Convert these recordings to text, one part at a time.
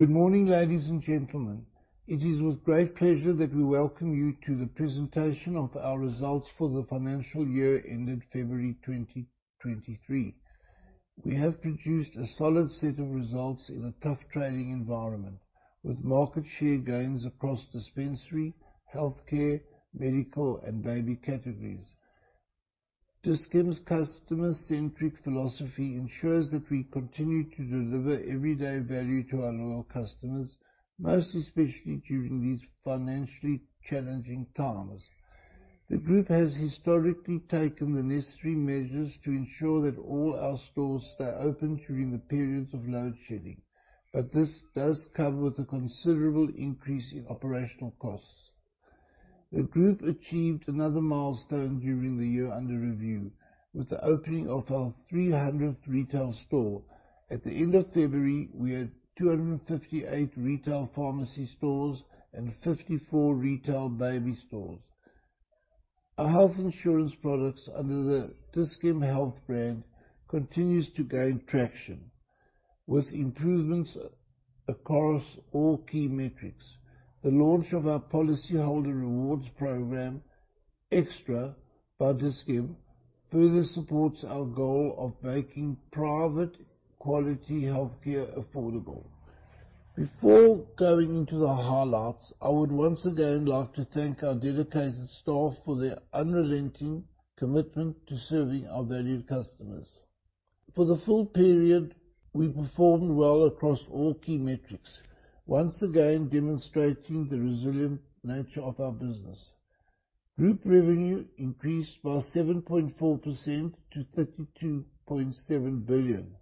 Good morning, ladies and gentlemen. It is with great pleasure that we welcome you to the presentation of our results for the Financial Year ended February 2023. We have produced a solid set of results in a tough trading environment, with market share gains across dispensary, healthcare, medical and baby categories. Dis-Chem's customer-centric philosophy ensures that we continue to deliver everyday value to our loyal customers, most especially during these financially challenging times. The group has historically taken the necessary measures to ensure that all our stores stay open during the periods of load shedding, but this does come with a considerable increase in operational costs. The group achieved another milestone during the year under review with the opening of our 300th retail store. At the end of February, we had 258 Retail Pharmacy stores and 54 Retail Baby stores. Our health insurance products under the Dis-Chem Health brand continues to gain traction with improvements across all key metrics. The launch of our policyholder rewards program, Extra by Dis-Chem, further supports our goal of making private quality healthcare affordable. Before going into the highlights, I would once again like to thank our dedicated staff for their unrelenting commitment to serving our valued customers. For the full period, we performed well across all key metrics, once again demonstrating the resilient nature of our business. Group revenue increased by 7.4% to 32.7 billion.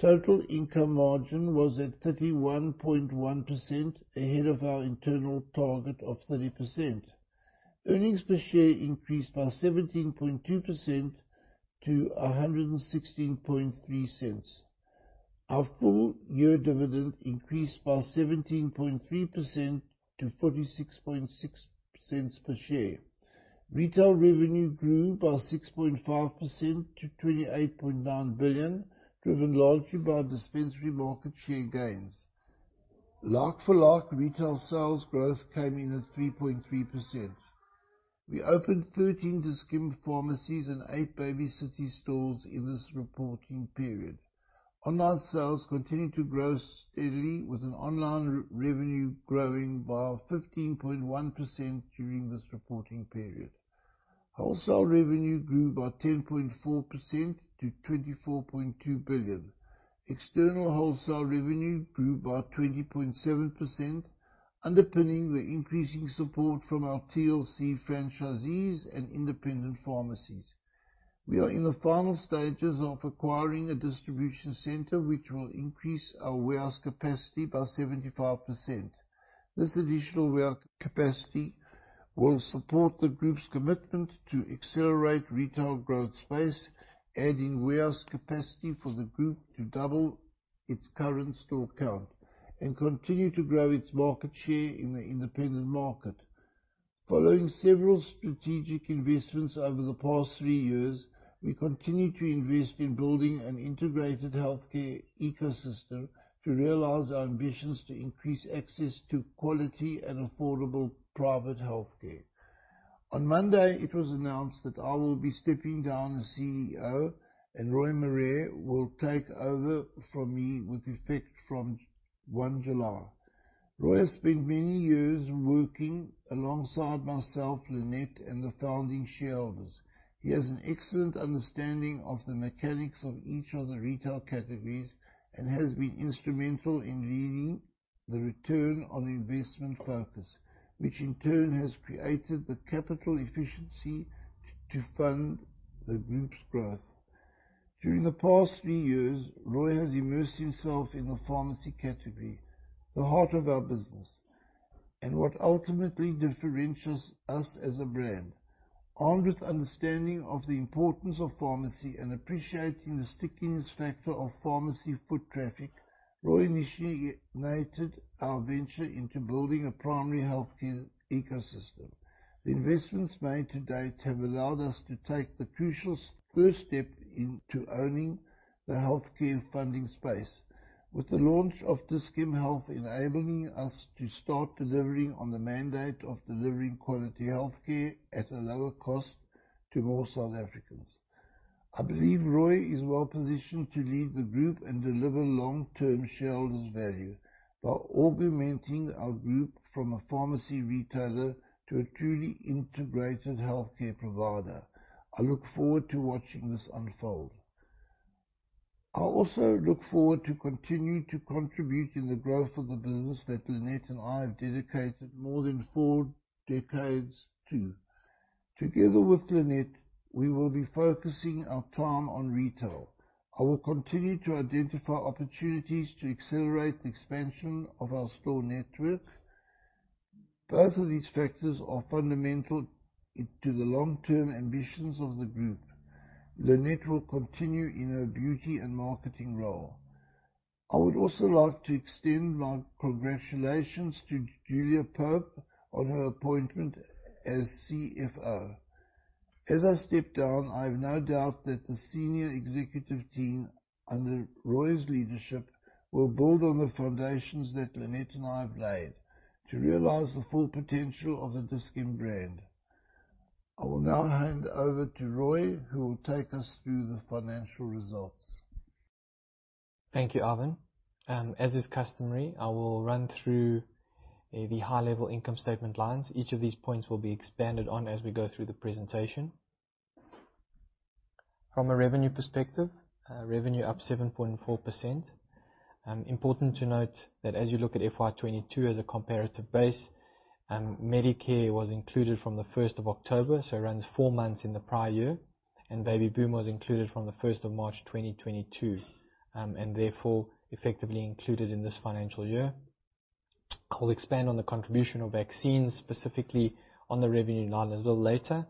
Total income margin was at 31.1%, ahead of our internal target of 30%. Earnings per share increased by 17.2% to 1.163. Our full-year dividend increased by 17.3% to 0.466 per share. Retail revenue grew by 6.5% to 28.9 billion, driven largely by dispensary market share gains. Like-for-like retail sales growth came in at 3.3%. We opened 13 Dis-Chem Pharmacies and eight Baby City stores in this reporting period. Online sales continued to grow steadily, with an online revenue growing by 15.1% during this reporting period. Wholesale revenue grew by 10.4% to 24.2 billion. External wholesale revenue grew by 20.7%, underpinning the increasing support from our TLC franchisees and independent pharmacies. We are in the final stages of acquiring a distribution center, which will increase our warehouse capacity by 75%. This additional warehouse capacity will support the group's commitment to accelerate retail growth space, adding warehouse capacity for the group to double its current store count and continue to grow its market share in the independent market. Following several strategic investments over the past three years, we continue to invest in building an integrated healthcare ecosystem to realize our ambitions to increase access to quality and affordable private healthcare. On Monday, it was announced that I will be stepping down as CEO. Rui Morais will take over from me with effect from 1 July 2023. Rui Morais has spent many years working alongside myself, Lynette, and the Founding Shareholders. He has an excellent understanding of the mechanics of each of the retail categories and has been instrumental in leading the return on investment focus, which in turn has created the capital efficiency to fund the group's growth. During the past three years, Rui has immersed himself in the Pharmacy category, the heart of our business, and what ultimately differentiates us as a brand. Armed with understanding of the importance of Pharmacy and appreciating the sticking factor of Pharmacy foot traffic, Rui initiated our venture into building a primary healthcare ecosystem. The investments made to date have allowed us to take the crucial first step into owning the healthcare funding space. With the launch of Dis-Chem Health enabling us to start delivering on the mandate of delivering quality healthcare at a lower cost to more South Africans. I believe Rui is well positioned to lead the group and deliver long-term shareholders value by augmenting our group from a pharmacy retailer to a truly integrated healthcare provider. I look forward to watching this unfold. I also look forward to continue to contribute in the growth of the business that Lynette and I have dedicated more than four decades to. Together with Lynette, we will be focusing our time on Retail. I will continue to identify opportunities to accelerate the expansion of our store network. Both of these factors are fundamental to the long-term ambitions of the group. Lynette will continue in her Beauty and Marketing role. I would also like to extend my congratulations to Julia Pope on her appointment as CFO. As I step down, I have no doubt that the Senior Executive team under Rui's leadership will build on the foundations that Lynette and I have laid to realize the full potential of the Dis-Chem brand. I will now hand over to Rui, who will take us through the financial results. Thank you, Ivan. As is customary, I will run through the high level income statement lines. Each of these points will be expanded on as we go through the presentation. From a revenue perspective, revenue up 7.4%. Important to note that as you look at FY 2022 as a comparative base, Medicare was included from the 1st of October 2021, so it runs four months in the prior year, and Baby Boom was included from the 1st of March 2022, and therefore effectively included in this financial year. I will expand on the contribution of vaccines, specifically on the revenue line a little later.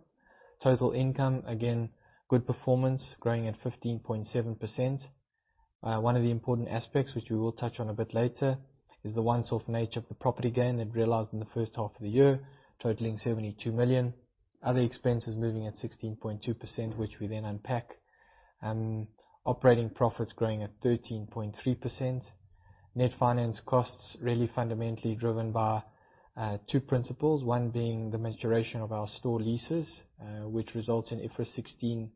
Total income, again, good performance growing at 15.7%. One of the important aspects which we will touch on a bit later is the once-off nature of the property gain that realized in the first half of the year, totaling 72 million. Other expenses moving at 16.2%, which we then unpack. Operating profits growing at 13.3%. Net finance costs really fundamentally driven by two principles. One being the maturation of our store leases, which results in IFRS 16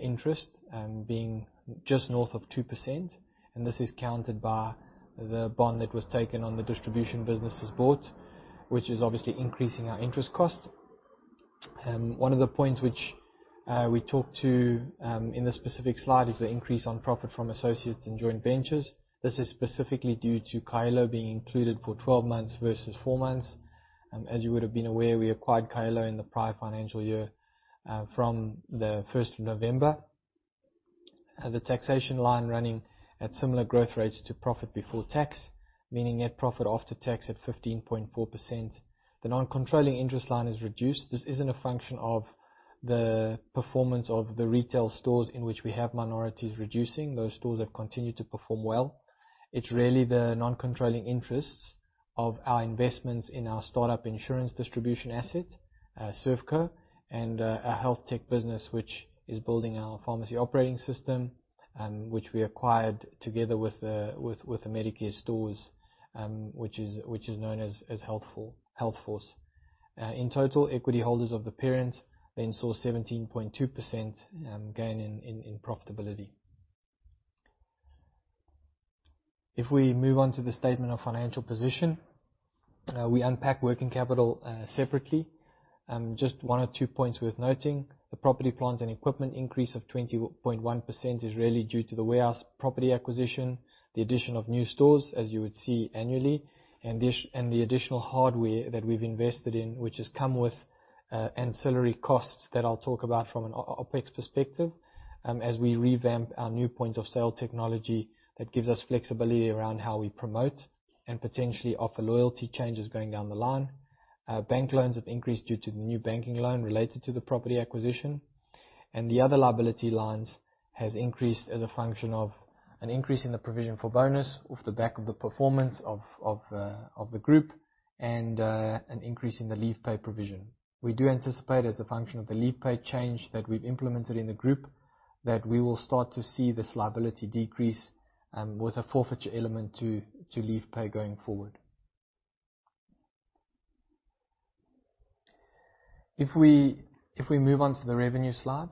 interest being just north of 2%, and this is countered by the bond that was taken on the distribution business's board, which is obviously increasing our interest cost. One of the points which we talked to in this specific slide is the increase on profit from associates and joint ventures. This is specifically due to Kaelo being included for 12 months versus four months. As you would have been aware, we acquired Kaelo in the prior financial year, from the 1st of November 2022. The taxation line running at similar growth rates to profit before tax, meaning net profit after tax at 15.4%. The non-controlling interest line is reduced. This isn't a function of the performance of the retail stores in which we have minorities reducing. Those stores have continued to perform well. It's really the non-controlling interests of our investments in our start-up insurance distribution asset, Servco, and a Health Tech business which is building our Pharmacy Operating system, which we acquired together with the Medicare stores, which is known as Healthforce. In total, equity holders of the parents then saw 17.2% gain in profitability. If we move on to the statement of financial position, we unpack working capital, separately. Just one or two points worth noting. The property plans and equipment increase of 20.1% is really due to the warehouse property acquisition, the addition of new stores, as you would see annually, and the additional hardware that we've invested in, which has come with ancillary costs that I'll talk about from an OpEx perspective, as we revamp our new point-of-sale technology that gives us flexibility around how we promote and potentially offer loyalty changes going down the line. Bank loans have increased due to the new banking loan related to the property acquisition, and the other liability lines has increased as a function of an increase in the provision for bonus off the back of the performance of the group and an increase in the leave pay provision. We do anticipate as a function of the leave pay change that we've implemented in the group, that we will start to see this liability decrease with a forfeiture element to leave pay going forward. If we move on to the revenue slide,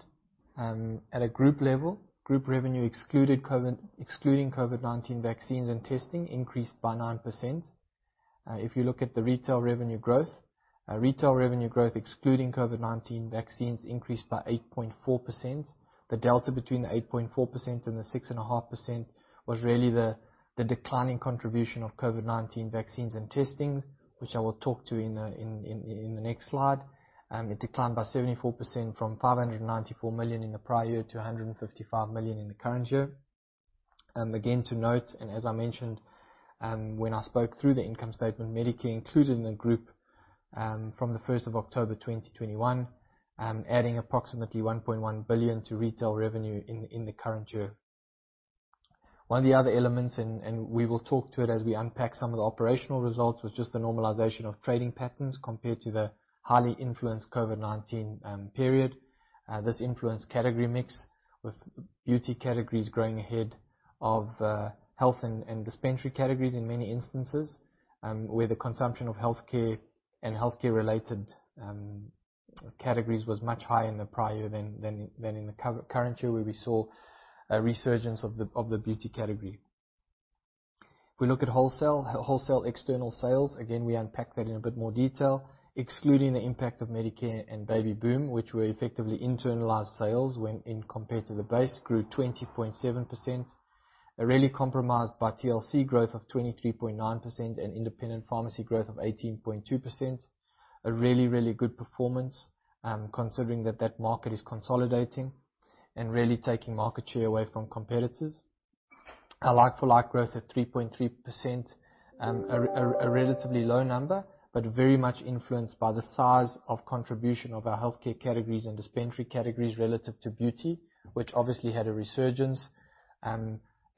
at a group level, group revenue excluding COVID-19 vaccines and testing increased by 9%. If you look at the retail revenue growth, retail revenue growth excluding COVID-19 vaccines increased by 8.4%. The delta between the 8.4% and the 6.5% was really the declining contribution of COVID-19 vaccines and testing, which I will talk to in the next slide. It declined by 74% from 594 million in the prior year to 155 million in the current year. Again to note, and as I mentioned, when I spoke through the income statement, Medicare included in the group from the 1st of October 2021, adding approximately 1.1 billion to retail revenue in the current year. One of the other elements, and we will talk to it as we unpack some of the operational results, was just the normalization of trading patterns compared to the highly influenced COVID-19 period. This influenced category mix with Beauty categories growing ahead of Health and Dispensary categories in many instances, where the consumption of Healthcare and Healthcare-related categories was much higher in the prior than in the current year, where we saw a resurgence of the Beauty category. If we look at Wholesale external sales, again, we unpack that in a bit more detail, excluding the impact of Medicare and Baby Boom, which were effectively internalized sales when in compared to the base grew 20.7%. They're really compromised by TLC growth of 23.9% and independent pharmacy growth of 18.2%. A really good performance, considering that that market is consolidating and really taking market share away from competitors. A like-for-like growth of 3.3%, a relatively low number, but very much influenced by the size of contribution of our healthcare categories and dispensary categories relative to Beauty, which obviously had a resurgence.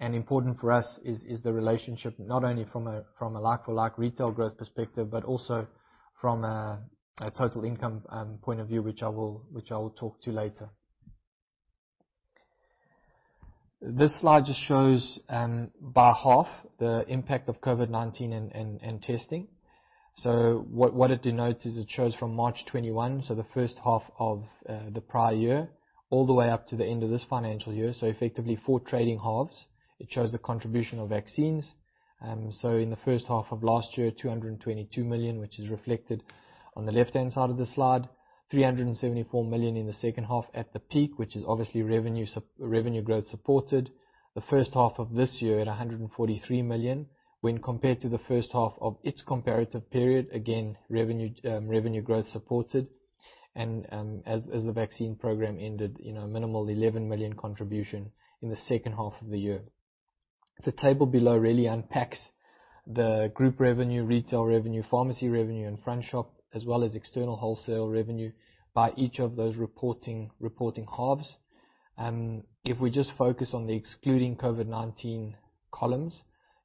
Important for us is the relationship not only from a like-for-like retail growth perspective, but also from a total income point of view, which I will talk to later. This slide just shows by half the impact of COVID-19 and testing. What it denotes is it shows from March 2021, so the first half of the prior year, all the way up to the end of this financial year, so effectively four trading halves. It shows the contribution of vaccines. In the first half of last year, 222 million, which is reflected on the left-hand side of the slide. 374 million in the second half at the peak, which is obviously revenue growth supported. The first half of this year at 143 million when compared to the first half of its comparative period, again, revenue growth supported. As the vaccine program ended, you know, minimal 11 million contribution in the second half of the year. The table below really unpacks the group revenue, retail revenue, pharmacy revenue, and front shop, as well as external wholesale revenue by each of those reporting halves. If we just focus on the excluding COVID-19 columns,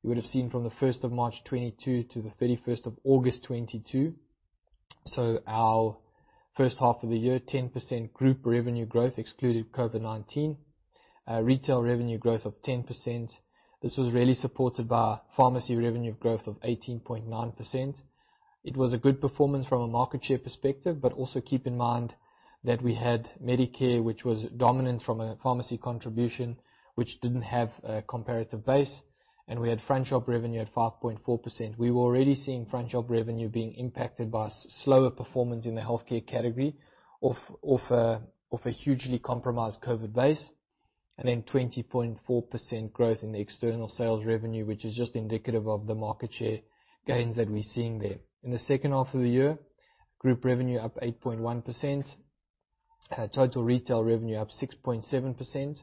you would have seen from the 1st of March 2022 to the 31st of August 2022, so our first half of the year, 10% group revenue growth excluded COVID-19. Retail revenue growth of 10%. This was really supported by pharmacy revenue growth of 18.9%. It was a good performance from a market share perspective, but also keep in mind that we had Medicare, which was dominant from a pharmacy contribution, which didn't have a comparative base, and we had front shop revenue at 5.4%. We were already seeing front shop revenue being impacted by slower performance in the healthcare category of a hugely compromised COVID base, and then 20.4% growth in the external sales revenue, which is just indicative of the market share gains that we're seeing there. In the second half of the year, group revenue up 8.1%. Total retail revenue up 6.7%.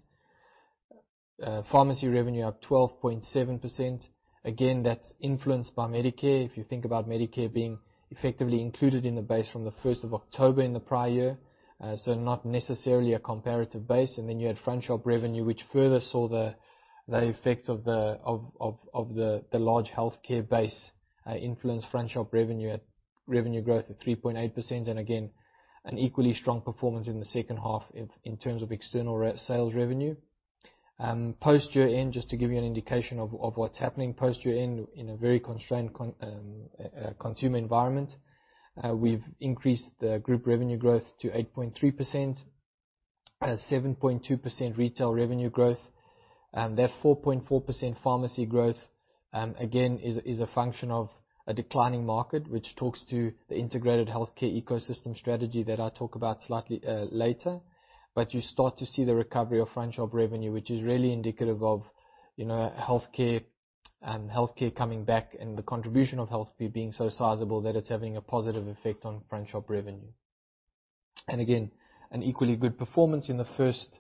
Pharmacy revenue up 12.7%. Again, that's influenced by Medicare. If you think about Medicare being effectively included in the base from the 1st of October 2021 in the prior year, so not necessarily a comparative base. Then you had front shop revenue, which further saw the effects of the large healthcare base influence front shop revenue at revenue growth at 3.8%. Again, an equally strong performance in the second half in terms of external sales revenue. Post year-end, just to give you an indication of what's happening post year-end in a very constrained consumer environment, we've increased the group revenue growth to 8.3%. 7.2% retail revenue growth. That 4.4% pharmacy growth, again, is a function of a declining market, which talks to the integrated healthcare ecosystem strategy that I talk about slightly later. You start to see the recovery of front shop revenue, which is really indicative of, you know, healthcare and healthcare coming back and the contribution of health being so sizable that it's having a positive effect on front shop revenue. Again, an equally good performance in the first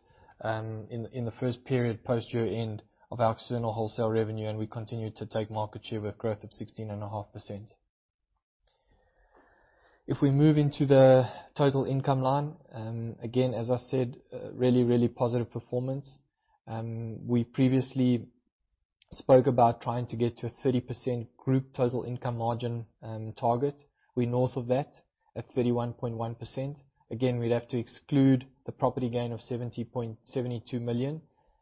period post year-end of our external wholesale revenue, and we continue to take market share with growth of 16.5%. We move into the total income line, again, as I said, really, really positive performance. We previously spoke about trying to get to a 30% group total income margin target. We're north of that at 31.1%. Again, we'd have to exclude the property gain of 72 million.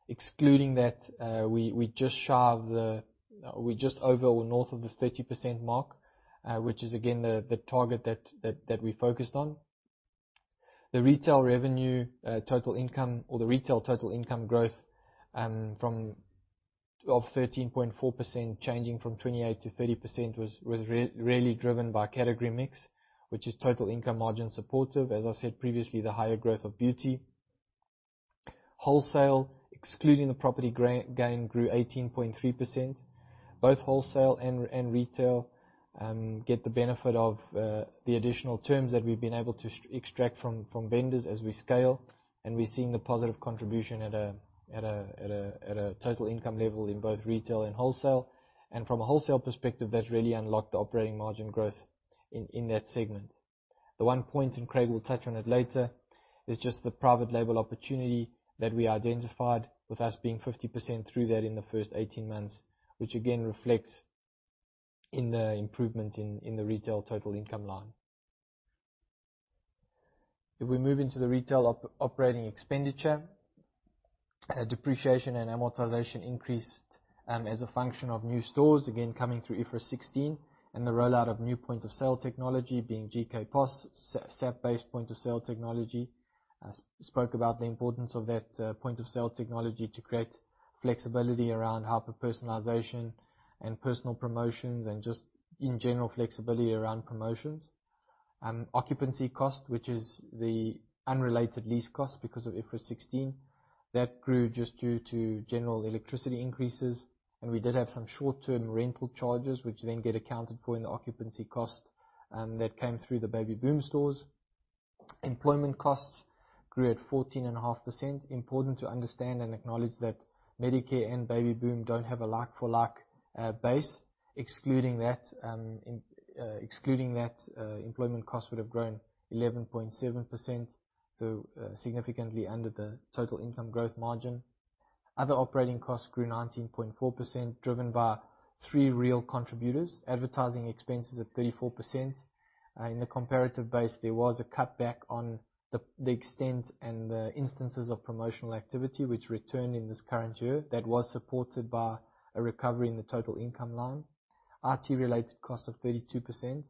Excluding that, we're just over or north of the 30% mark, which is again the target that we focused on. The retail revenue, total income or the retail total income growth, from, of 13.4% changing from 28%-30% was really driven by category mix, which is total income margin supportive. As I said previously, the higher growth of Beauty. Wholesale, excluding the property gain, grew 18.3%. Both wholesale and retail get the benefit of the additional terms that we've been able to extract from vendors as we scale, and we're seeing a positive contribution at a total income level in both retail and wholesale. From a wholesale perspective, that really unlocked the operating margin growth in that segment. The one point Craig will touch on it later, is just the private label opportunity that we identified with us being 50% through that in the first 18 months, which again reflects in the improvement in the retail total income line. We move into the retail operating expenditure, depreciation and amortization increased as a function of new stores, again coming through IFRS 16 and the rollout of new point-of-sale technology being GK POS, SAP-based point-of-sale technology. I spoke about the importance of that point-of-sale technology to create flexibility around hyper-personalization and personal promotions and just in general flexibility around promotions. Occupancy cost, which is the unrelated lease cost because of IFRS 16, that grew just due to general electricity increases. We did have some short-term rental charges, which then get accounted for in the occupancy cost, that came through the Baby Boom stores. Employment costs grew at 14.5%. Important to understand and acknowledge that Medicare and Baby Boom don't have a like-for-like base. Excluding that, employment cost would have grown 11.7%, so significantly under the total income growth margin. Other operating costs grew 19.4%, driven by 3 real contributors. Advertising expenses at 34%. In the comparative base, there was a cutback on the extent and the instances of promotional activity which returned in this current year that was supported by a recovery in the total income line. IT-related cost of 32%,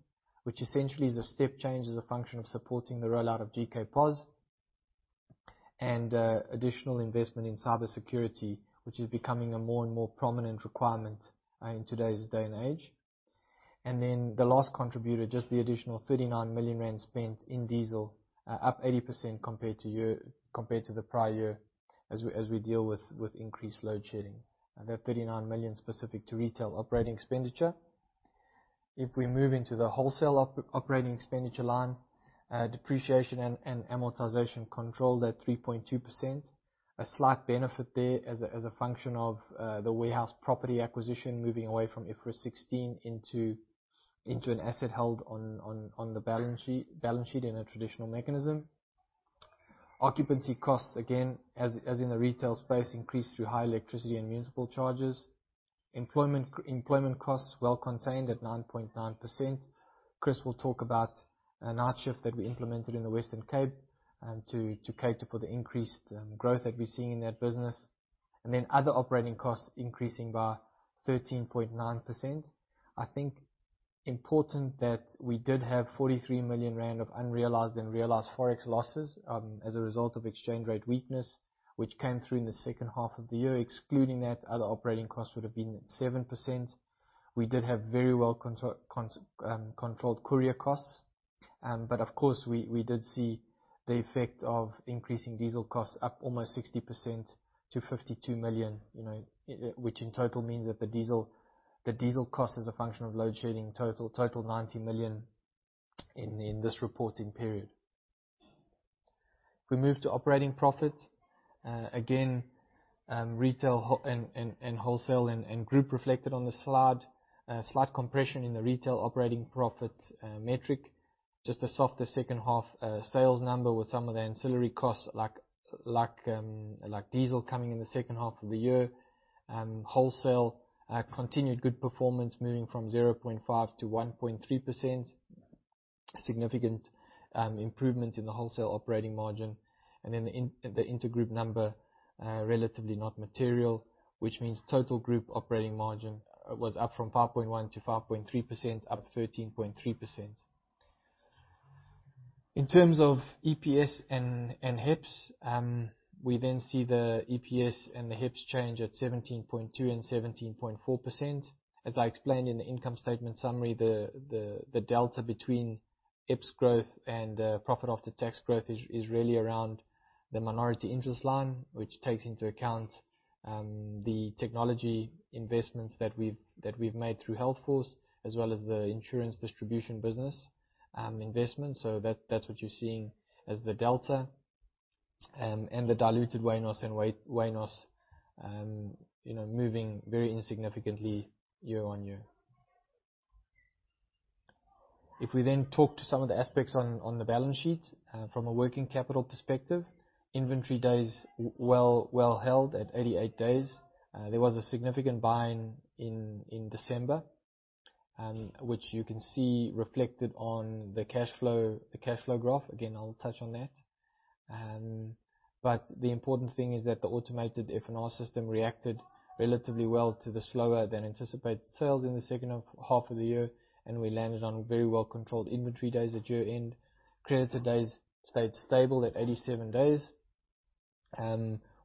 which essentially is a step change as a function of supporting the rollout of GK POS and additional investment in Cybersecurity, which is becoming a more and more prominent requirement in today's day and age. The last contributor, just the additional 39 million rand spent in diesel, up 80% compared to the prior year as we deal with increased load shedding. That 39 million specific to retail operating expenditure. If we move into the wholesale operating expenditure line, depreciation and amortization controlled at 3.2%. A slight benefit there as a, as a function of the warehouse property acquisition moving away from IFRS 16 into an asset held on the balance sheet in a traditional mechanism. Occupancy costs, again, as in the retail space, increased through high electricity and municipal charges. Employment costs well contained at 9.9%. Chris will talk about a night shift that we implemented in the Western Cape to cater for the increased growth that we're seeing in that business. Other operating costs increasing by 13.9%. I think important that we did have 43 million rand of unrealized and realized Forex losses as a result of exchange rate weakness, which came through in the second half of the year. Excluding that, other operating costs would have been 7%. We did have very well controlled courier costs. Of course, we did see the effect of increasing diesel costs up almost 60% to 52 million, you know, which in total means that the diesel cost as a function of load shedding totaled 90 million in this reporting period. If we move to operating profit, again, retail and wholesale and group reflected on the slide. Slight compression in the retail operating profit metric. Just a softer second half sales number with some of the ancillary costs like diesel coming in the second half of the year. Wholesale continued good performance moving from 0.5% to 1.3%. Significant improvement in the wholesale operating margin. The intergroup number, relatively not material, which means total group operating margin was up from 5.1%-5.3%, up 13.3%. In terms of EPS and HEPS, we then see the EPS and the HEPS change at 17.2% and 17.4%. As I explained in the income statement summary, the delta between HEPS growth and profit after tax growth is really around the minority interest line, which takes into account the technology investments that we've made through Healthforce, as well as the insurance distribution business investment. That's what you're seeing as the delta, and the diluted WANOS and WANOS, you know, moving very insignificantly year on year. We then talk to some of the aspects on the balance sheet, from a working capital perspective, inventory days well held at 88 days. There was a significant buy-in in December, which you can see reflected on the cash flow, the cash flow graph. Again, I'll touch on that. The important thing is that the automated F&R system reacted relatively well to the slower than anticipated sales in the second half of the year, and we landed on very well-controlled inventory days at year-end. Creditor days stayed stable at 87 days.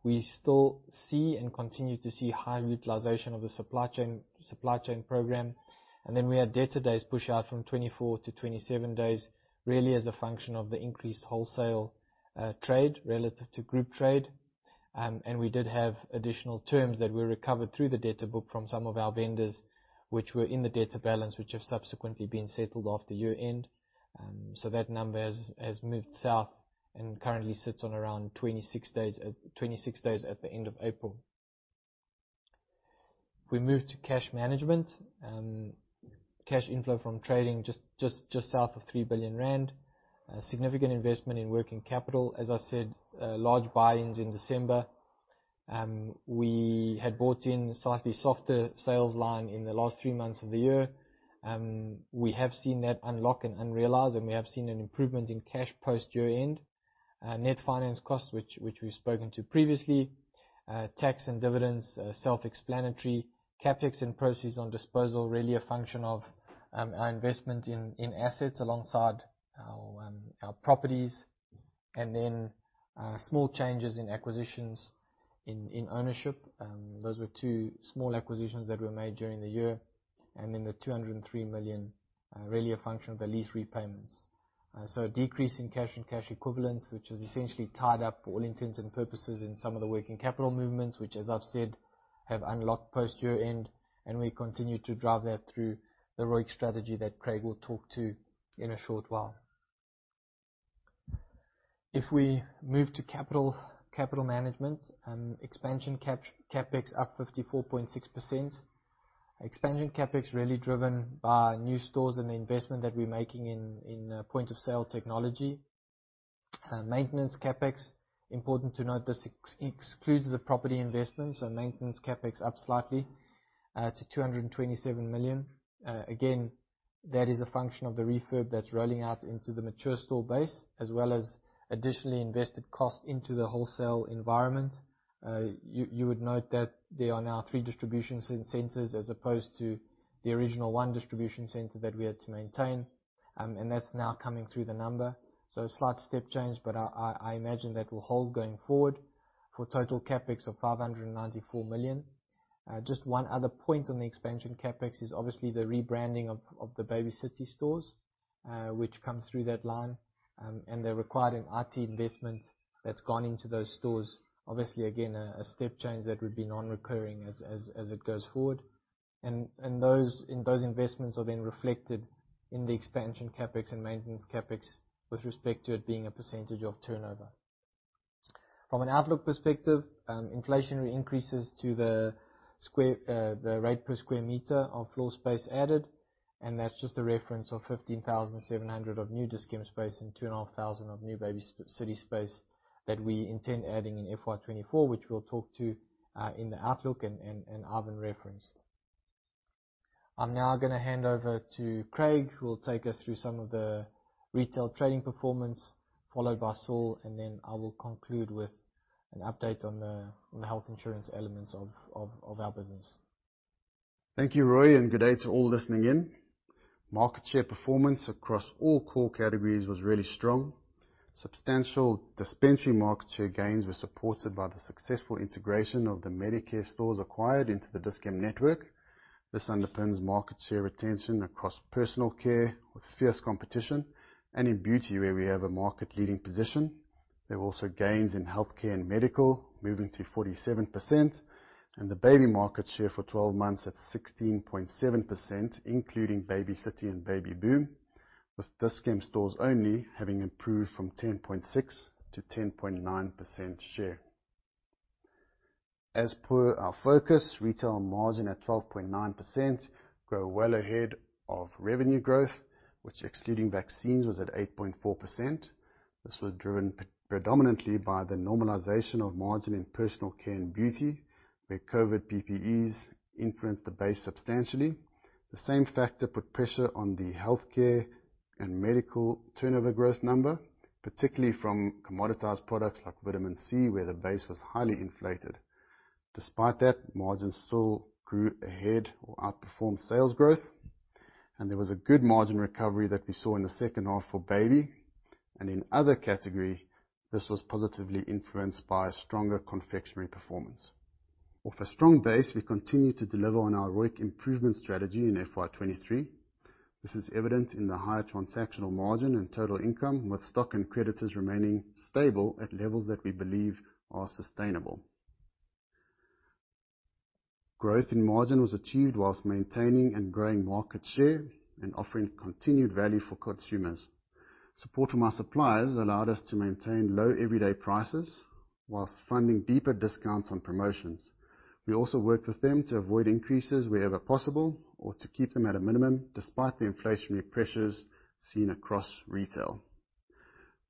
We still see and continue to see high utilization of the supply chain program. Then we had debtor days push out from 24 to 27 days, really as a function of the increased wholesale, trade relative to group trade. We did have additional terms that were recovered through the debtor book from some of our vendors, which were in the debtor balance, which have subsequently been settled after year-end. That number has moved south and currently sits on around 26 days at the end of April. If we move to cash management, cash inflow from trading just south of 3 billion rand. Significant investment in working capital. As I said, large buy-ins in December. We had bought in slightly softer sales line in the last three months of the year. We have seen that unlock and unrealize, and we have seen an improvement in cash post year-end. Net finance costs, which we've spoken to previously. Tax and dividends, self-explanatory. CapEx and proceeds on disposal, really a function of our investment in assets alongside our properties. Small changes in acquisitions in ownership. Those were two small acquisitions that were made during the year. The 203 million really a function of the lease repayments. A decrease in cash and cash equivalents, which was essentially tied up for all intents and purposes in some of the working capital movements, which, as I've said, have unlocked post year-end, and we continue to drive that through the ROIC strategy that Craig will talk to in a short while. If we move to capital management, expansion CapEx up 54.6%. Expansion CapEx really driven by new stores and the investment that we're making in point-of-sale technology. Maintenance CapEx, important to note this excludes the property investment, so maintenance CapEx up slightly to 227 million. That is a function of the refurb that's rolling out into the mature store base, as well as additionally invested cost into the wholesale environment. You would note that there are now three distribution centers as opposed to the original one distribution center that we had to maintain, and that's now coming through the number. A slight step change, but I imagine that will hold going forward for total CapEx of 594 million. Just one other point on the expansion CapEx is obviously the rebranding of the Baby City stores, which comes through that line. They required an IT investment that's gone into those stores. Obviously, again, a step change that would be non-recurring as it goes forward. Those investments are then reflected in the expansion CapEx and maintenance CapEx with respect to it being a percentage of turnover. From an outlook perspective, inflationary increases to the square, the rate per square meter of floor space added, and that's just a reference of 15,700 of new Dis-Chem space and 2,500 of new Baby City space that we intend adding FY2024, which we'll talk to in the outlook and Ivan referenced. I'm now gonna hand over to Craig, who will take us through some of the retail trading performance, followed by Saul, and then I will conclude with an update on the health insurance elements of our business. Thank you, Rui, and good day to all listening in. Market share performance across all core categories was really strong. Substantial dispensary market share gains were supported by the successful integration of the Medicare stores acquired into the Dis-Chem network. This underpins market share retention across personal care with fierce competition and in beauty, where we have a market-leading position. There were also gains in Healthcare and Medical, moving to 47%, and the baby market share for 12 months at 16.7%, including Baby City and Baby Boom, with Dis-Chem stores only having improved from 10.6 to 10.9% share. As per our focus, retail margin at 12.9% grow well ahead of revenue growth, which excluding vaccines, was at 8.4%. This was driven predominantly by the normalization of margin in personal care and beauty, where COVID PPEs influenced the base substantially. The same factor put pressure on the healthcare and medical turnover growth number, particularly from commoditized products like vitamin C, where the base was highly inflated. Despite that, margins still grew ahead or outperformed sales growth, and there was a good margin recovery that we saw in the second half for Baby. In other category, this was positively influenced by stronger confectionery performance. Off a strong base, we continue to deliver on our ROIC improvement strategy FY2023. this is evident in the higher transactional margin and total income, with stock and creditors remaining stable at levels that we believe are sustainable. Growth in margin was achieved while maintaining and growing market share and offering continued value for consumers. Support from our suppliers allowed us to maintain low everyday prices whilst funding deeper discounts on promotions. We also worked with them to avoid increases wherever possible or to keep them at a minimum, despite the inflationary pressures seen across retail.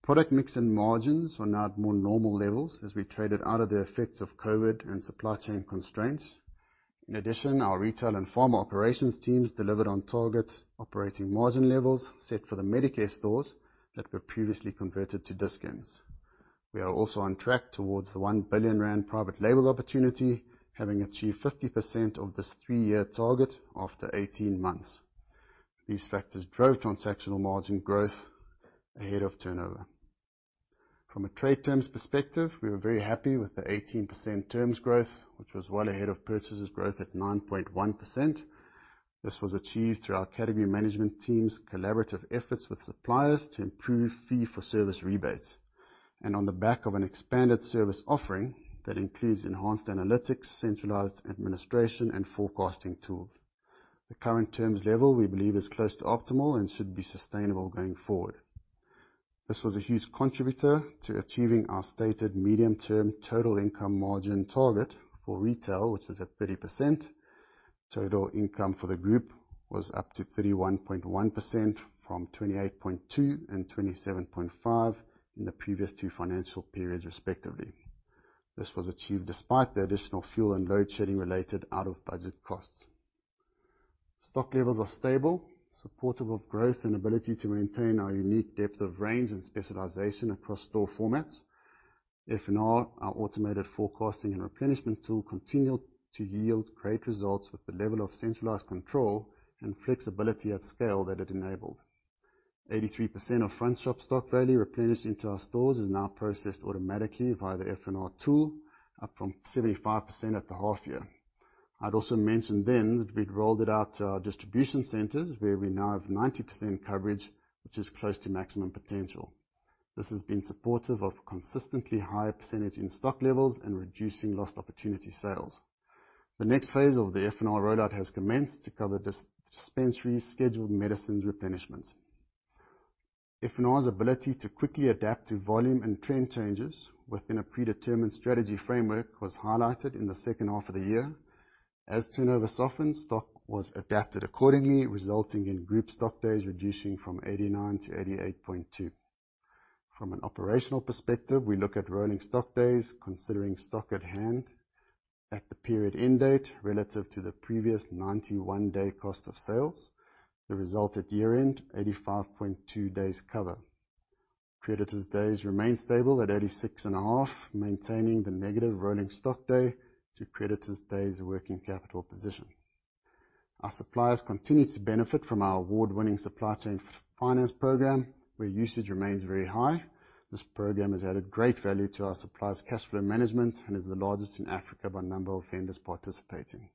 Product mix and margins are now at more normal levels as we traded out of the effects of COVID and supply chain constraints. In addition, our retail and pharma operations teams delivered on target operating margin levels set for the Medicare stores that were previously converted to Dis-Chems. We are also on track towards the 1 billion rand private label opportunity, having achieved 50% of this three-year target after 18 months. These factors drove transactional margin growth ahead of turnover. From a trade terms perspective, we were very happy with the 18% terms growth, which was well ahead of purchases growth at 9.1%. This was achieved through our category management team's collaborative efforts with suppliers to improve fee for service rebates and on the back of an expanded service offering that includes enhanced analytics, centralized administration, and forecasting tools. The current terms level, we believe, is close to optimal and should be sustainable going forward. This was a huge contributor to achieving our stated medium-term total income margin target for retail, which is at 30%. Total income for the group was up to 31.1% from 28.2% and 27.5% in the previous two financial periods, respectively. This was achieved despite the additional fuel and load shedding related out-of-budget costs. Stock levels are stable, supportive of growth, and ability to maintain our unique depth of range and specialization across store formats. F&R, our automated forecasting and replenishment tool, continued to yield great results with the level of centralized control and flexibility at scale that it enabled. 83% of front shop stock value replenished into our stores is now processed automatically via the F&R tool, up from 75% at the half year. I'd also mentioned then that we'd rolled it out to our distribution centers, where we now have 90% coverage, which is close to maximum potential. This has been supportive of consistently high percentage in stock levels and reducing lost opportunity sales. The next phase of the F&R rollout has commenced to cover dispensary scheduled medicines replenishment. F&R's ability to quickly adapt to volume and trend changes within a predetermined strategy framework was highlighted in the second half of the year. As turnover softened, stock was adapted accordingly, resulting in group stock days reducing from 89 to 88.2. From an operational perspective, we look at rolling stock days considering stock at hand at the period end date relative to the previous 91 day cost of sales. The result at year-end, 85.2 days cover. Creditors days remain stable at 86.5, maintaining the negative rolling stock day to creditors days working capital position. Our suppliers continue to benefit from our award-winning supply chain finance program, where usage remains very high. This program has added great value to our suppliers' cash flow management and is the largest in Africa by number of vendors participating.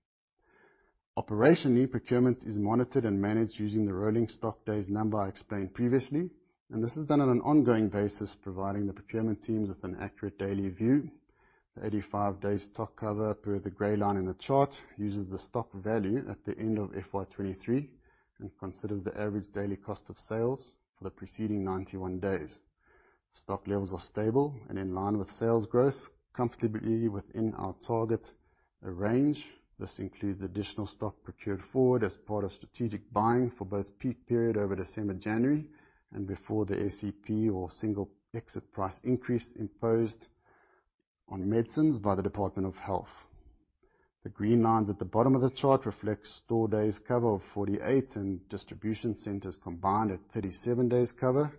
Operationally, procurement is monitored and managed using the rolling stock days number I explained previously, and this is done on an ongoing basis, providing the procurement teams with an accurate daily view. The 85 days stock cover per the gray line in the chart uses the stock value at the end of FY2023 and considers the average daily cost of sales for the preceding 91 days. Stock levels are stable and in line with sales growth, comfortably within our target range. This includes additional stock procured forward as part of strategic buying for both peak period over December, January and before the SEP or Single Exit Price increase imposed on medicines by the Department of Health. The green lines at the bottom of the chart reflects store days cover of 48 and distribution centers combined at 37 days cover.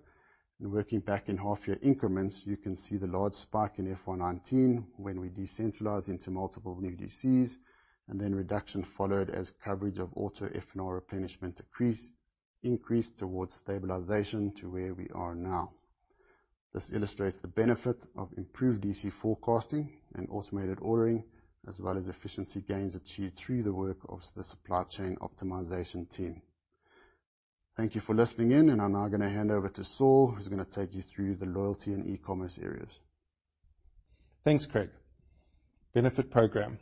Working back in half year increments, you can see the large spike in FY2019 when we decentralized into multiple new DCs, and then reduction followed as coverage of auto F&R replenishment increased towards stabilization to where we are now. This illustrates the benefit of improved D.C. forecasting and automated ordering, as well as efficiency gains achieved through the work of the supply chain optimization team. Thank you for listening in. I'm now gonna hand over to Saul, who's gonna take you through the loyalty and e-commerce areas. Thanks, Craig. Benefit Programme.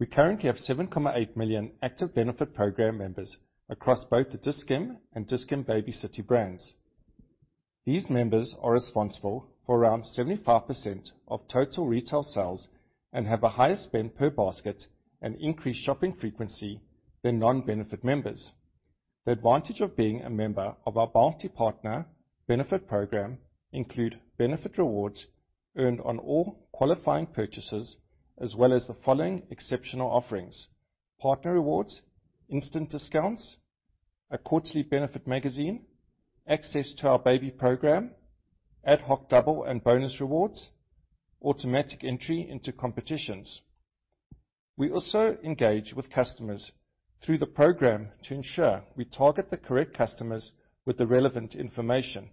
We currently have 7.8 million active Benefit Programme members across both the Dis-Chem and Dis-Chem Baby City brands. These members are responsible for around 75% of total retail sales and have a higher spend per basket and increased shopping frequency than non-benefit members. The advantage of being a member of our Benefit Partner Programme include Benefit rewards earned on all qualifying purchases, as well as the following exceptional offerings: partner rewards, instant discounts, a quarterly benefit magazine, access to our baby programme, ad hoc double and bonus rewards, automatic entry into competitions. We also engage with customers through the programme to ensure we target the correct customers with the relevant information.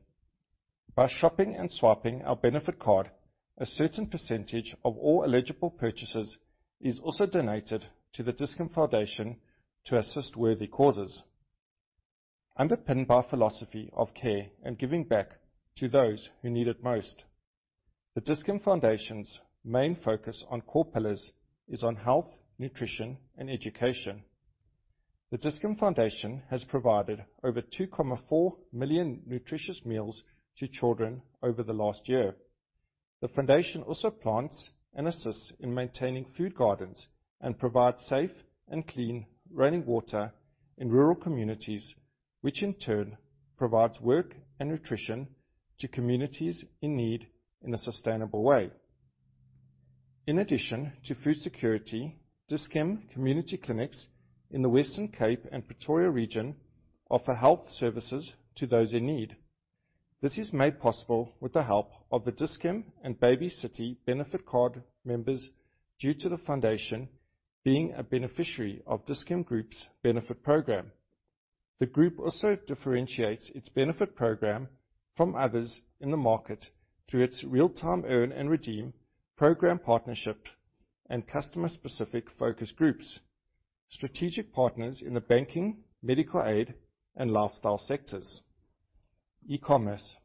By shopping and swiping our Benefit card, a certain percentage of all eligible purchases is also donated to the Dis-Chem Foundation to assist worthy causes. Underpinned by a philosophy of care and giving back to those who need it most, the Dis-Chem Foundation's main focus on core pillars is on Health, Nutrition, and Education. The Dis-Chem Foundation has provided over 2.4 million nutritious meals to children over the last year. The foundation also plants and assists in maintaining food gardens and provides safe and clean running water in rural communities, which in turn provides work and nutrition to communities in need in a sustainable way. In addition to food security, Dis-Chem community clinics in the Western Cape and Pretoria region offer health services to those in need. This is made possible with the help of the Dis-Chem and Baby City Benefit card members due to the foundation being a beneficiary of Dis-Chem Group's Benefit Programme. The group also differentiates its benefit program from others in the market through its real-time earn and redeem program partnership and customer-specific focus groups, strategic partners in the banking, medical aid, and lifestyle sectors. E-commerce.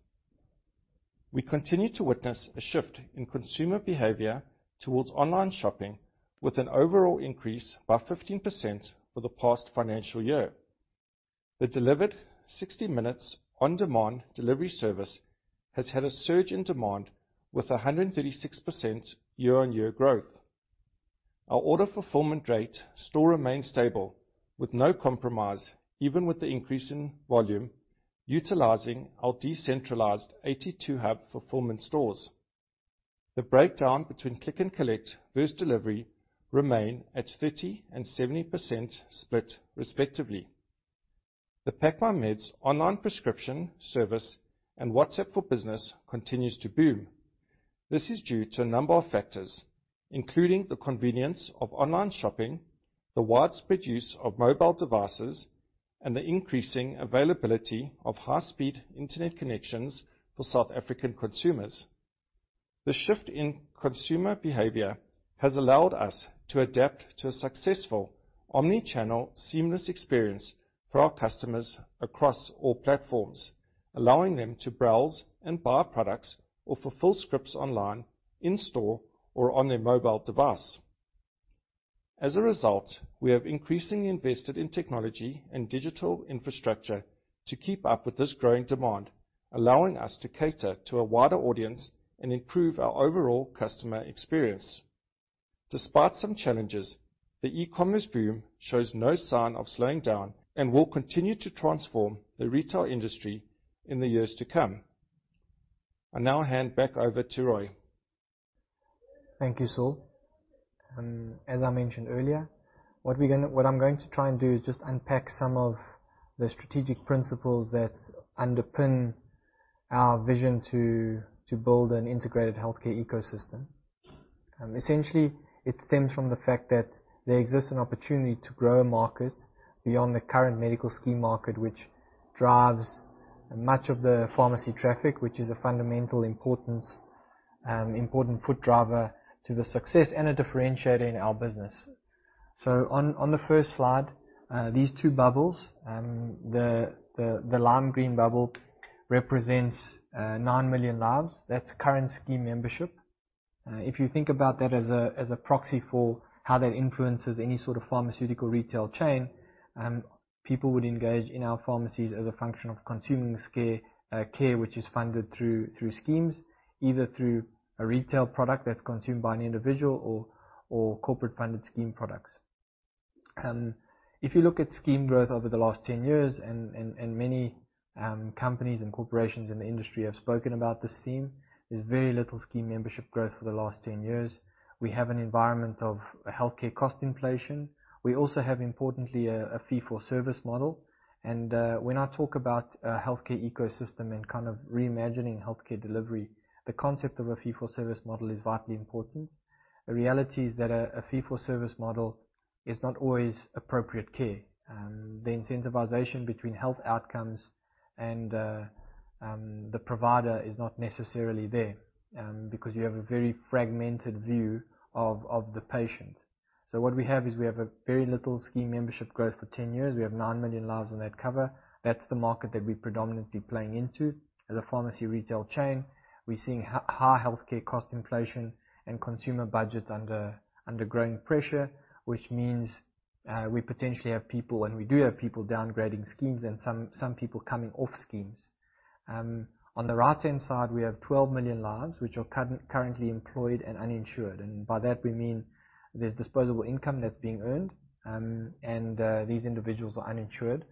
We continue to witness a shift in consumer behavior towards online shopping with an overall increase by 15% for the past financial year. The DeliverD 60 minutes on-demand delivery service has had a surge in demand with a 136% year-on-year growth. Our order fulfillment rate still remains stable with no compromise, even with the increase in volume, utilizing our decentralized 82 hub fulfillment stores. The breakdown between click and collect versus delivery remain at 30% and 70% split, respectively. The Pack My Meds online prescription service and WhatsApp for business continues to boom. This is due to a number of factors, including the convenience of online shopping, the widespread use of mobile devices, and the increasing availability of high-speed internet connections for South African consumers. The shift in consumer behavior has allowed us to adapt to a successful omnichannel, seamless experience for our customers across all platforms, allowing them to browse and buy products or fulfill scripts online, in store or on their mobile device. As a result, we have increasingly invested in technology and digital infrastructure to keep up with this growing demand, allowing us to cater to a wider audience and improve our overall customer experience. Despite some challenges, the e-commerce boom shows no sign of slowing down and will continue to transform the retail industry in the years to come. I now hand back over to Rui. Thank you, Saul. As I mentioned earlier, what I'm going to try and do is just unpack some of the strategic principles that underpin our vision to build an integrated healthcare ecosystem. Essentially it stems from the fact that there exists an opportunity to grow a market beyond the current medical scheme market, which drives much of the pharmacy traffic, which is a fundamental importance, important foot driver to the success and a differentiator in our business. On the first slide, these two bubbles, the lime green bubble represents 9 million lives. That's current scheme membership. If you think about that as a proxy for how that influences any sort of pharmaceutical retail chain, people would engage in our pharmacies as a function of consuming care which is funded through schemes. Either through a retail product that's consumed by an individual or corporate funded scheme products. If you look at scheme growth over the last 10 years and many companies and corporations in the industry have spoken about this theme, there's very little scheme membership growth for the last 10 years. We have an environment of healthcare cost inflation. We also have importantly a fee for service model and when I talk about a healthcare ecosystem and kind of reimagining healthcare delivery, the concept of a fee for service model is vitally important. The reality is that a fee for service model is not always appropriate care. The incentivization between health outcomes and the provider is not necessarily there because you have a very fragmented view of the patient. What we have is we have a very little scheme membership growth for 10 years. We have 9 million lives on that cover. That's the market that we're predominantly playing into as a pharmacy retail chain. We're seeing high healthcare cost inflation and consumer budgets under growing pressure, which means we potentially have people, and we do have people downgrading schemes and some people coming off schemes. On the right-hand side we have 12 million lives which are currently employed and uninsured, and by that we mean there's disposable income that's being earned, and these individuals are uninsured.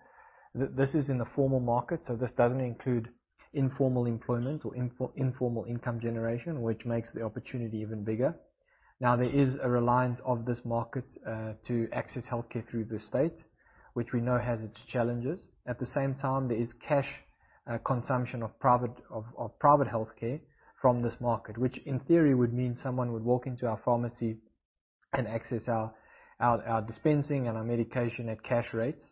This is in the formal market, this doesn't include informal employment or informal income generation, which makes the opportunity even bigger. There is a reliance of this market to access healthcare through the state, which we know has its challenges. At the same time, there is cash consumption of private healthcare from this market. In theory would mean someone would walk into our pharmacy and access our dispensing and our medication at cash rates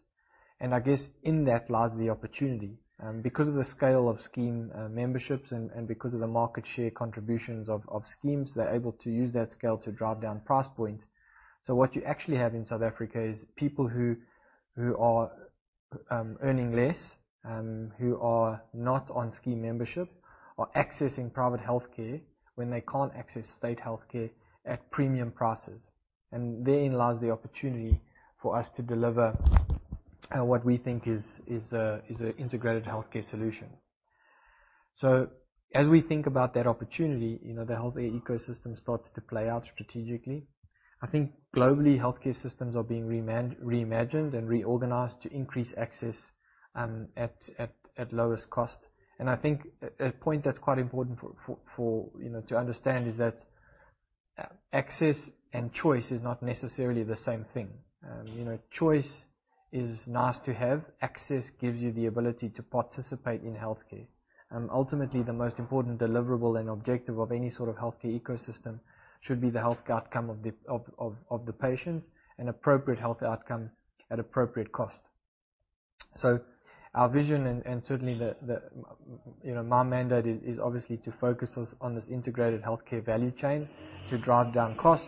and I guess in that lies the opportunity. Of the scale of scheme memberships and because of the market share contributions of schemes, they're able to use that scale to drive down price point. What you actually have in South Africa is people who are earning less, who are not on scheme membership are accessing private healthcare when they can't access state healthcare at premium prices and therein lies the opportunity for us to deliver what we think is a integrated healthcare solution. As we think about that opportunity, you know, the healthcare ecosystem starts to play out strategically. I think globally healthcare systems are being reimagined and reorganized to increase access at lowest cost. I think a point that's quite important for... You know, to understand is that access and choice is not necessarily the same thing. You know, choice is nice to have. Access gives you the ability to participate in healthcare. Ultimately the most important deliverable and objective of any sort of healthcare ecosystem should be the health outcome of the patient and appropriate health outcome at appropriate cost. Our vision and certainly the... You know, my mandate is obviously to focus us on this integrated healthcare value chain to drive down cost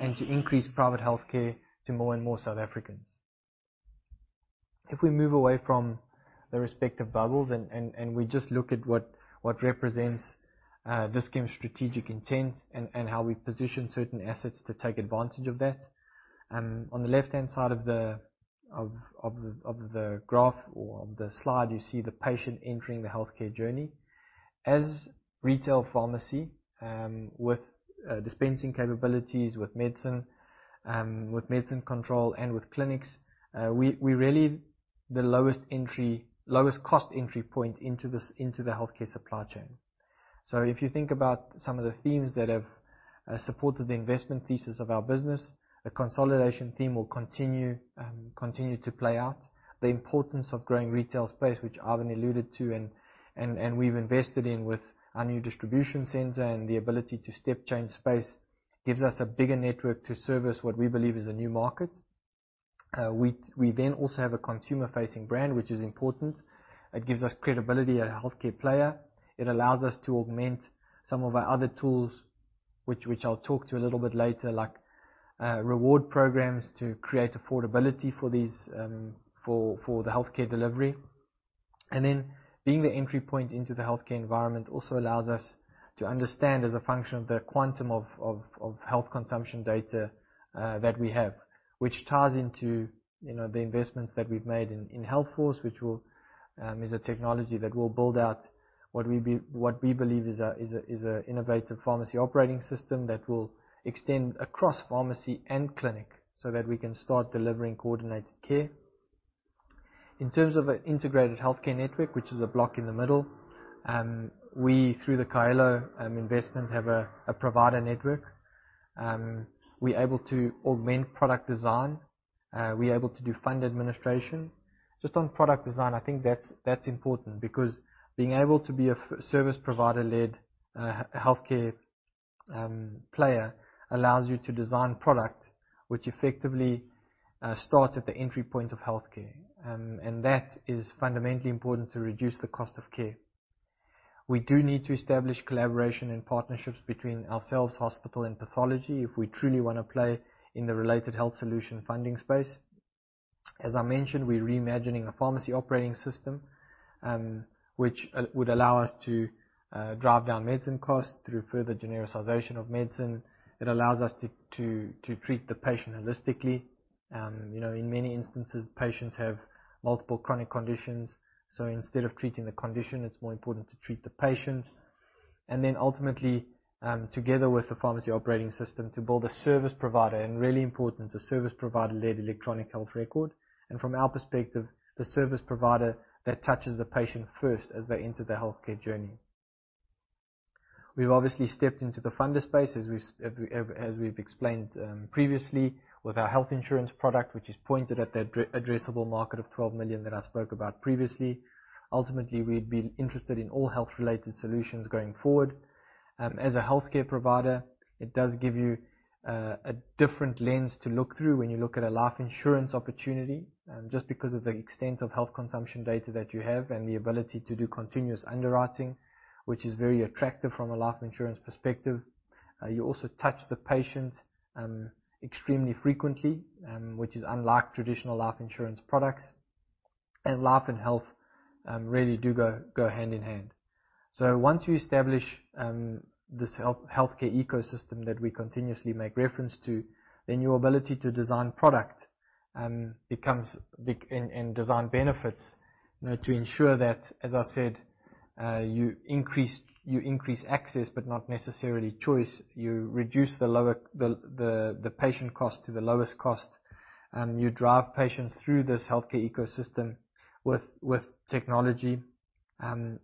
and to increase private healthcare to more and more South Africans. If we move away from the respective bubbles and we just look at what represents Dis-Chem's strategic intent and how we position certain assets to take advantage of that. On the left-hand side of the graph or of the slide, you see the patient entering the healthcare journey. As Retail pharmacy, with dispensing capabilities, with medicine, with medicine control and with clinics, we're really the lowest entry, lowest cost entry point into this into the healthcare supply chain. If you think about some of the themes that have supported the investment pieces of our business, the consolidation theme will continue to play out. The importance of growing retail space which Ivan alluded to and we've invested in with our new distribution center and the ability to step change space gives us a bigger network to service what we believe is a new market. We then also have a consumer facing brand which is important. It gives us credibility as a healthcare player. It allows us to augment some of our other tools which I'll talk to a little bit later like reward programs to create affordability for these for the healthcare delivery. Being the entry point into the healthcare environment also allows us to understand as a function of the quantum of health consumption data that we have, which ties into, you know, the investments that we've made in Healthforce, which will is a technology that will build out what we believe is a innovative pharmacy operating system that will extend across pharmacy and clinic so that we can start delivering coordinated care. In terms of a integrated healthcare network, which is a block in the middle, we, through the Kaelo investment, have a provider network. We're able to augment product design. We're able to do fund administration. Just on product design, I think that's important because being able to be a service provider-led healthcare player allows you to design product which effectively starts at the entry point of healthcare. That is fundamentally important to reduce the cost of care. We do need to establish collaboration and partnerships between ourselves, hospital, and pathology if we truly wanna play in the related health solution funding space. As I mentioned, we're reimagining a pharmacy operating system which would allow us to drive down medicine costs through further genericization of medicine. It allows us to treat the patient holistically. you know, in many instances, patients have multiple chronic conditions, so instead of treating the condition, it's more important to treat the patient. Ultimately, together with the pharmacy operating system, to build a service provider and really important, a service provider-led electronic health record, and from our perspective, the service provider that touches the patient first as they enter their healthcare journey. We've obviously stepped into the funder space as we've explained previously with our health insurance product, which is pointed at that addressable market of 12 million that I spoke about previously. Ultimately, we'd be interested in all health-related solutions going forward. As a Healthcare provider, it does give you a different lens to look through when you look at a life insurance opportunity, just because of the extent of health consumption data that you have and the ability to do continuous underwriting, which is very attractive from a life insurance perspective. You also touch the patient extremely frequently, which is unlike traditional life insurance products. Life and health really do go hand in hand. Once you establish this healthcare ecosystem that we continuously make reference to, your ability to design product becomes big... Design benefits, you know, to ensure that, as I said, you increase access, but not necessarily choice. You reduce the patient cost to the lowest cost. You drive patients through this healthcare ecosystem with technology. And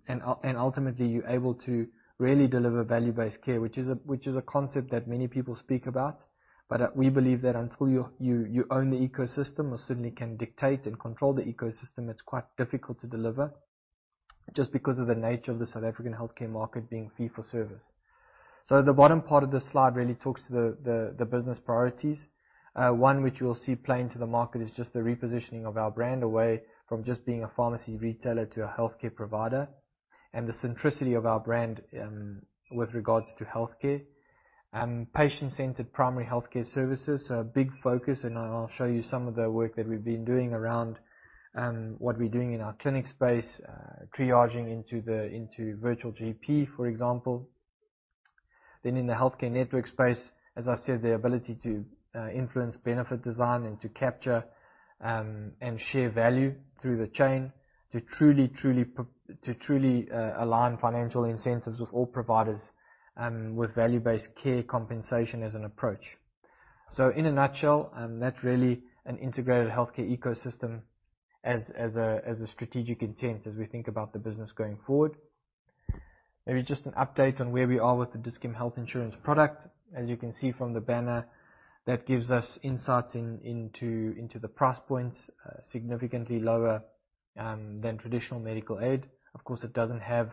ultimately, you're able to really deliver value-based care, which is a, which is a concept that many people speak about, but we believe that until you, you own the ecosystem or certainly can dictate and control the ecosystem, it's quite difficult to deliver just because of the nature of the South African healthcare market being fee for service. The bottom part of this slide really talks to the, the business priorities. One which you'll see playing to the market is just the repositioning of our brand away from just being a pharmacy retailer to a healthcare provider, and the centricity of our brand with regards to healthcare. Patient-centered primary healthcare services are a big focus, and I'll show you some of the work that we've been doing around what we're doing in our clinic space, triaging into virtual GP, for example. In the healthcare network space, as I said, the ability to influence benefit design and to capture and share value through the chain to truly align financial incentives with all providers with value-based care compensation as an approach. In a nutshell, that's really an integrated healthcare ecosystem as a strategic intent as we think about the business going forward. Maybe just an update on where we are with the Dis-Chem Health insurance product. As you can see from the banner, that gives us insights into the price points, significantly lower than traditional medical aid. Of course, it doesn't have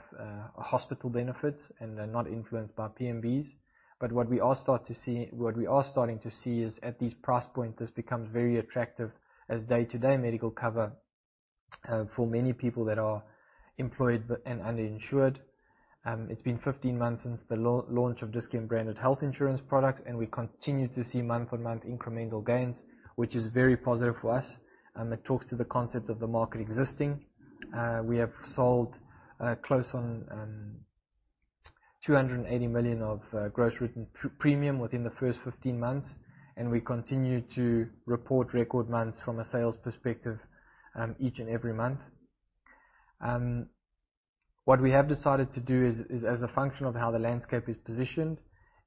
hospital benefits and they're not influenced by PMBs. What we are starting to see is at these price point, this becomes very attractive as day-to-day medical cover for many people that are employed and underinsured. It's been 15 months since the launch of Dis-Chem branded health insurance products, and we continue to see month-on-month incremental gains, which is very positive for us. It talks to the concept of the market existing. We have sold close on 280 million of gross written premium within the first 15 months. We continue to report record months from a sales perspective, each and every month. What we have decided to do is as a function of how the landscape is positioned,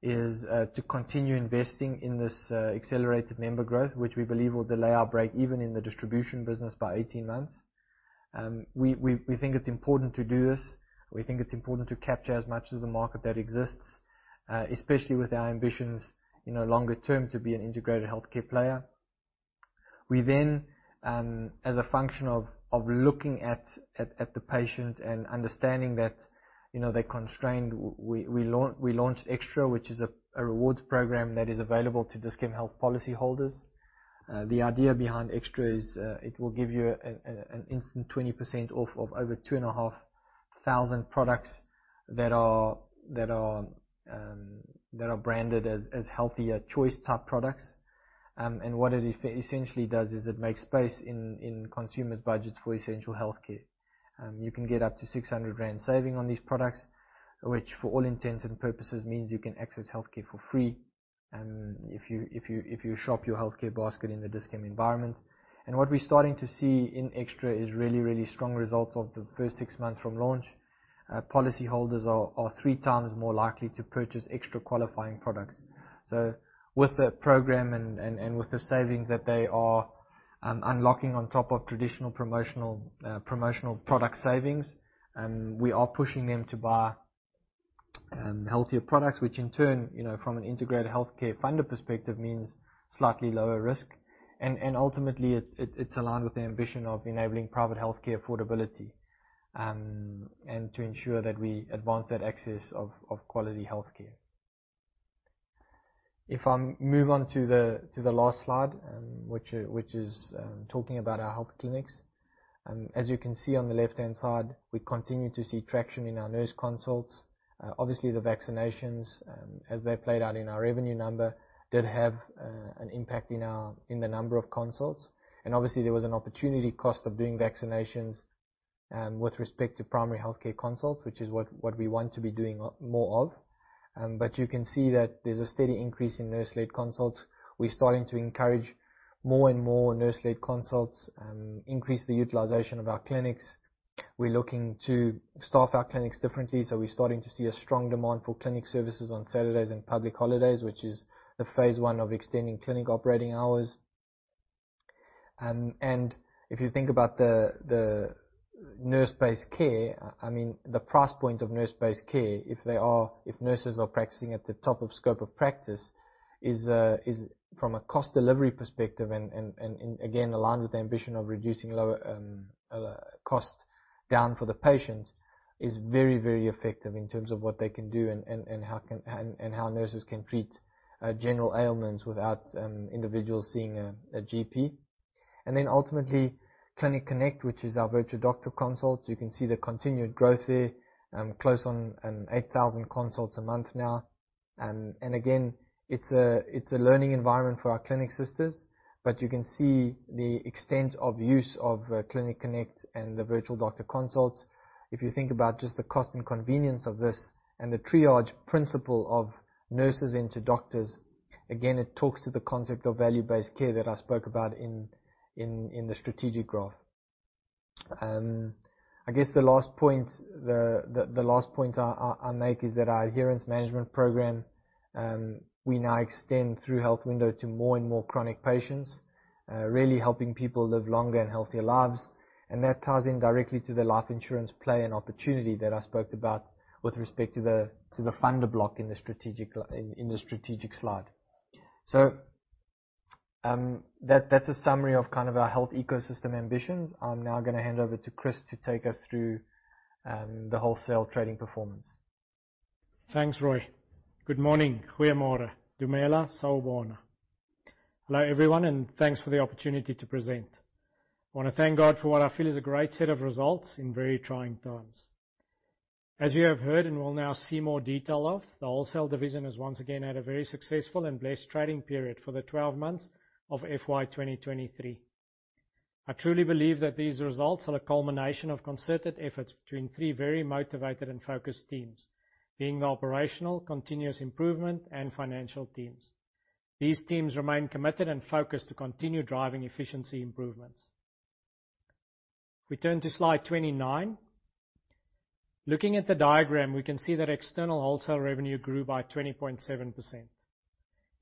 is to continue investing in this accelerated member growth, which we believe will delay our break even in the distribution business by 18 months. We think it's important to do this. We think it's important to capture as much of the market that exists, especially with our ambitions, you know, longer term to be an integrated healthcare player. We as a function of looking at the patient and understanding that, you know, they're constrained, we launched extra, which is a rewards program that is available to Dis-Chem Health policyholders. The idea behind extra is it will give you an instant 20% off of over 2,500 products that are branded as healthier choice type products. What it essentially does is it makes space in consumers' budgets for essential healthcare. You can get up to 600 rand saving on these products. Which for all intents and purposes means you can access healthcare for free, if you shop your healthcare basket in the Dis-Chem environment. What we're starting to see in extra is really strong results of the first 6 months from launch. Policy holders are 3x more likely to purchase extra qualifying products. With the program and with the savings that they are unlocking on top of traditional promotional product savings, we are pushing them to buy healthier products, which in turn, you know, from an integrated healthcare funder perspective means slightly lower risk. Ultimately it's aligned with the ambition of enabling private healthcare affordability and to ensure that we advance that access of quality healthcare. If I move on to the last slide, which is talking about our health clinics. As you can see on the left-hand side, we continue to see traction in our nurse consults. Obviously the vaccinations, as they played out in our revenue number, did have an impact in our, in the number of consults. Obviously there was an opportunity cost of doing vaccinations, with respect to primary healthcare consults, which is what we want to be doing more of. You can see that there's a steady increase in nurse-led consults. We're starting to encourage more and more nurse-led consults, increase the utilization of our clinics. We're looking to staff our clinics differently, so we're starting to see a strong demand for clinic services on Saturdays and public holidays, which is the phase one of extending clinic operating hours. If you think about the nurse-based care, I mean, the price point of nurse-based care, if they are... if nurses are practicing at the top of scope of practice, is from a cost delivery perspective and again, aligned with the ambition of reducing lower cost down for the patient is very effective in terms of what they can do and how nurses can treat general ailments without individuals seeing a GP. Ultimately, Clinic Connect, which is our virtual doctor consults. You can see the continued growth there, close on 8,000 consults a month now. Again, it's a learning environment for our clinic sisters, but you can see the extent of use of Clinic Connect and the virtual doctor consults. If you think about just the cost and convenience of this and the triage principle of nurses into doctors, again, it talks to the concept of value-based care that I spoke about in the strategic graph. I guess the last point I'll make is that our adherence management program, we now extend through Health Window to more and more chronic patients, really helping people live longer and healthier lives, and that ties in directly to the life insurance play and opportunity that I spoke about with respect to the funder block in the strategic slide. That's a summary of kind of our health ecosystem ambitions. I'm now gonna hand over to Chris to take us through the wholesale trading performance. Thanks, Rui. Good morning. Goeie more. Dumela sa bona. Hello, everyone, and thanks for the opportunity to present. I wanna thank God for what I feel is a great set of results in very trying times. As you have heard and will now see more detail of, the wholesale division has once again had a very successful and blessed trading period for the 12 months of FY2023. I truly believe that these results are a culmination of concerted efforts between three very motivated and focused teams, being the operational, continuous improvement, and financial teams. These teams remain committed and focused to continue driving efficiency improvements. If we turn to slide 29. Looking at the diagram, we can see that external wholesale revenue grew by 20.7%.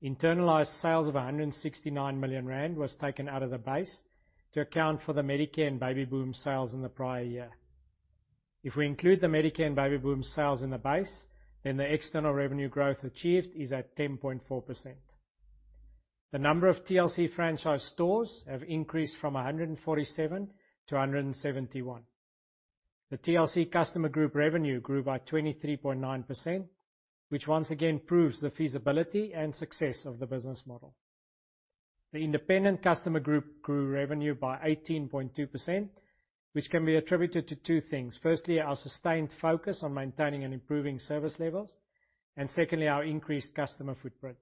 Internalized sales of 169 million rand was taken out of the base to account for the Medicare and Baby Boom sales in the prior year. If we include the Medicare and Baby Boom sales in the base, then the external revenue growth achieved is at 10.4%. The number of TLC franchise stores have increased from 147 to 171. The TLC customer group revenue grew by 23.9%, which once again proves the feasibility and success of the business model. The independent customer group grew revenue by 18.2%, which can be attributed to two things. Firstly, our sustained focus on maintaining and improving service levels, and secondly, our increased customer footprint.